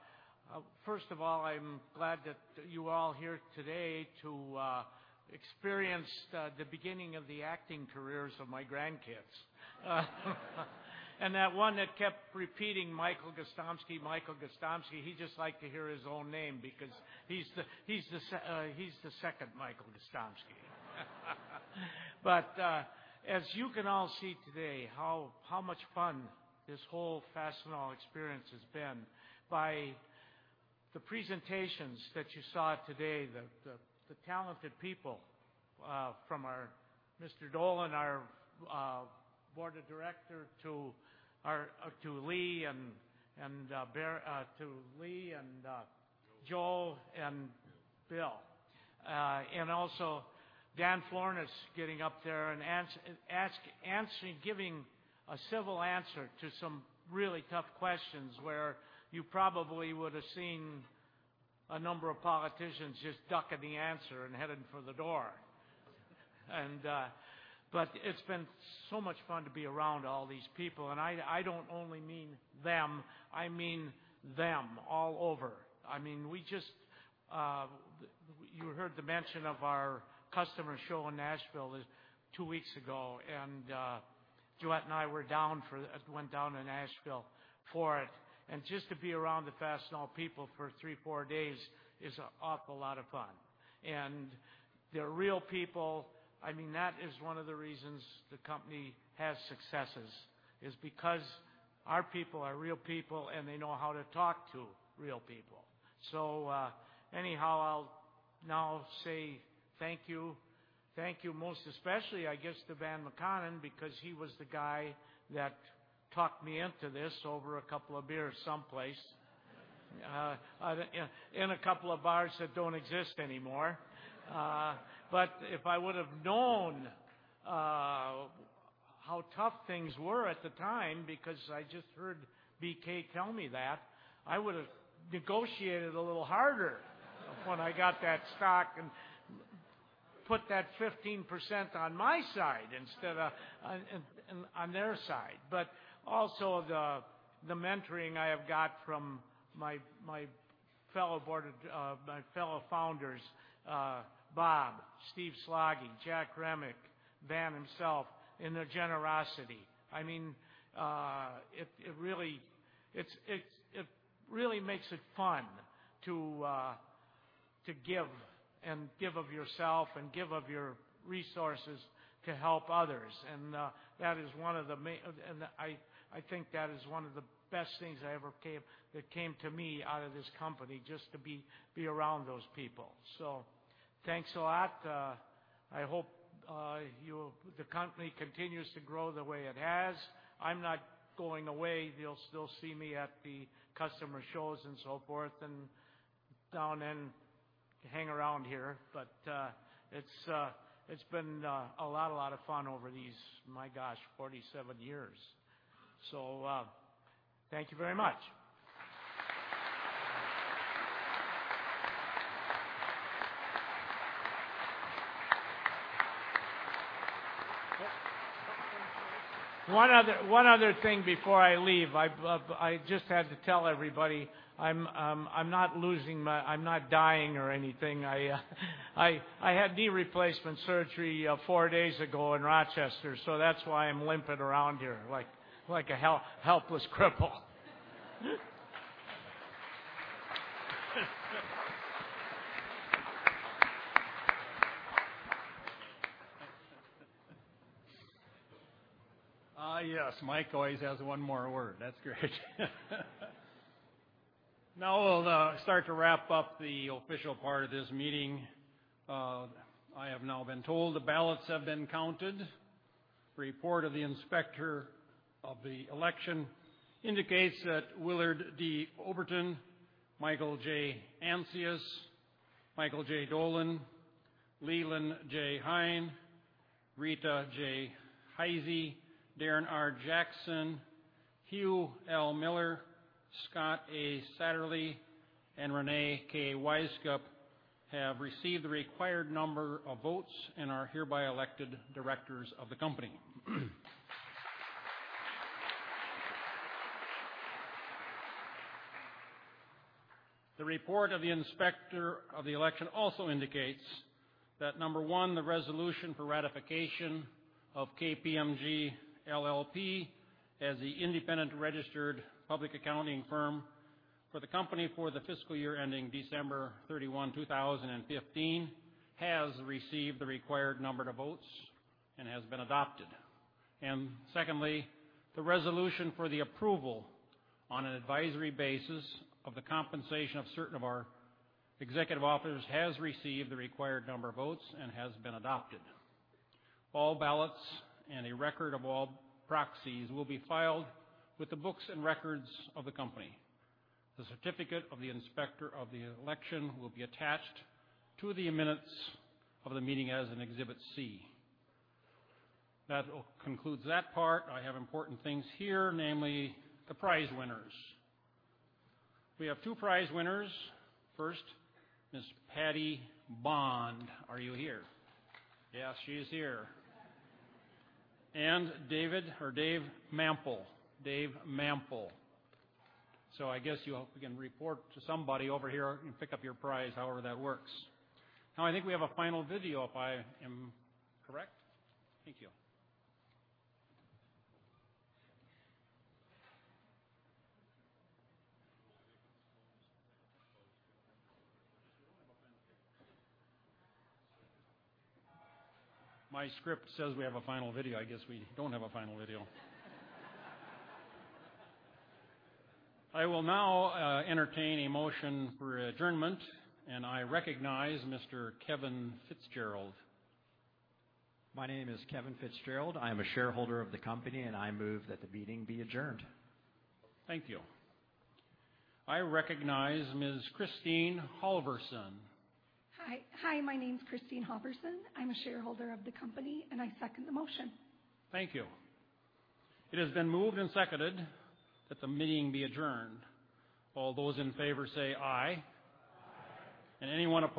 first of all, I'm glad that you're all here today to experience the beginning of the acting careers of my grandkids. That one that kept repeating, "Michael Gostomski, Michael Gostomski," he just liked to hear his own name because he's the second Michael Gostomski. As you can all see today how much fun this whole Fastenal experience has been by the presentations that you saw today, the talented people, from Mr. Dolan, our board of director, to Lee and Joe Joe and Bill. Also Dan Florness getting up there and giving a civil answer to some really tough questions where you probably would've seen a number of politicians just ducking the answer and heading for the door. It's been so much fun to be around all these people, I don't only mean them, I mean them all over. You heard the mention of our customer show in Nashville two weeks ago, Joette and I went down to Nashville for it. Just to be around the Fastenal people for three, four days is an awful lot of fun, and they're real people. That is one of the reasons the company has successes, is because our people are real people, and they know how to talk to real people. Anyhow, I'll now say thank you. Thank you most especially, I guess, to Van McConnon because he was the guy that talked me into this over a couple of beers someplace. In a couple of bars that don't exist anymore. If I would've known how tough things were at the time, because I just heard BK tell me that, I would've negotiated a little harder when I got that stock and put that 15% on my side instead of on their side. Also the mentoring I have got from my fellow founders, Bob, Steve Slaggie, Jack Remick, Van himself, and their generosity. It really makes it fun to give of yourself and give of your resources to help others, I think that is one of the best things that came to me out of this company, just to be around those people. Thanks a lot. I hope the company continues to grow the way it has. I'm not going away. You'll still see me at the customer shows and so forth, and down and hang around here. It's been a lot of fun over these, my gosh, 47 years. Thank you very much. One other thing before I leave. I just had to tell everybody I'm not dying or anything. I had knee replacement surgery four days ago in Rochester, so that's why I'm limping around here like a helpless cripple. Yes, Mike always has one more word. That's great. Now we'll start to wrap up the official part of this meeting. I have now been told the ballots have been counted. Report of the inspector of the election indicates that Willard D. Oberton, Michael J. Ancius, Michael J. Dolan, Leland J. Hein, Rita J. Heise, Darren R. Jackson, Hugh L. Miller, Scott A. Satterlee, and Reyne K. Wisecup have received the required number of votes and are hereby elected directors of the company. The report of the inspector of the election also indicates that number one, the resolution for ratification of KPMG LLP as the independent registered public accounting firm for the company for the fiscal year ending December 31, 2015, has received the required number of votes and has been adopted. Secondly, the resolution for the approval on an advisory basis of the compensation of certain of our executive officers has received the required number of votes and has been adopted. All ballots and a record of all proxies will be filed with the books and records of the company. The certificate of the inspector of the election will be attached to the minutes of the meeting as an Exhibit C. That concludes that part. I have important things here, namely the prize winners. We have two prize winners. First, Ms. Patty Bond. Are you here? Yes, she's here. David or Dave Mample. Dave Mample. I guess you can report to somebody over here and pick up your prize, however that works. Now I think we have a final video if I am correct. Thank you. My script says we have a final video. I guess we don't have a final video. I will now entertain a motion for adjournment, I recognize Mr. Kevin Fitzgerald. My name is Kevin Fitzgerald. I am a shareholder of the company. I move that the meeting be adjourned. Thank you. I recognize Ms. Christine Halverson. Hi. My name's Christine Halverson. I'm a shareholder of the company. I second the motion. Thank you. It has been moved and seconded that the meeting be adjourned. All those in favor say aye. Aye. anyone opposed?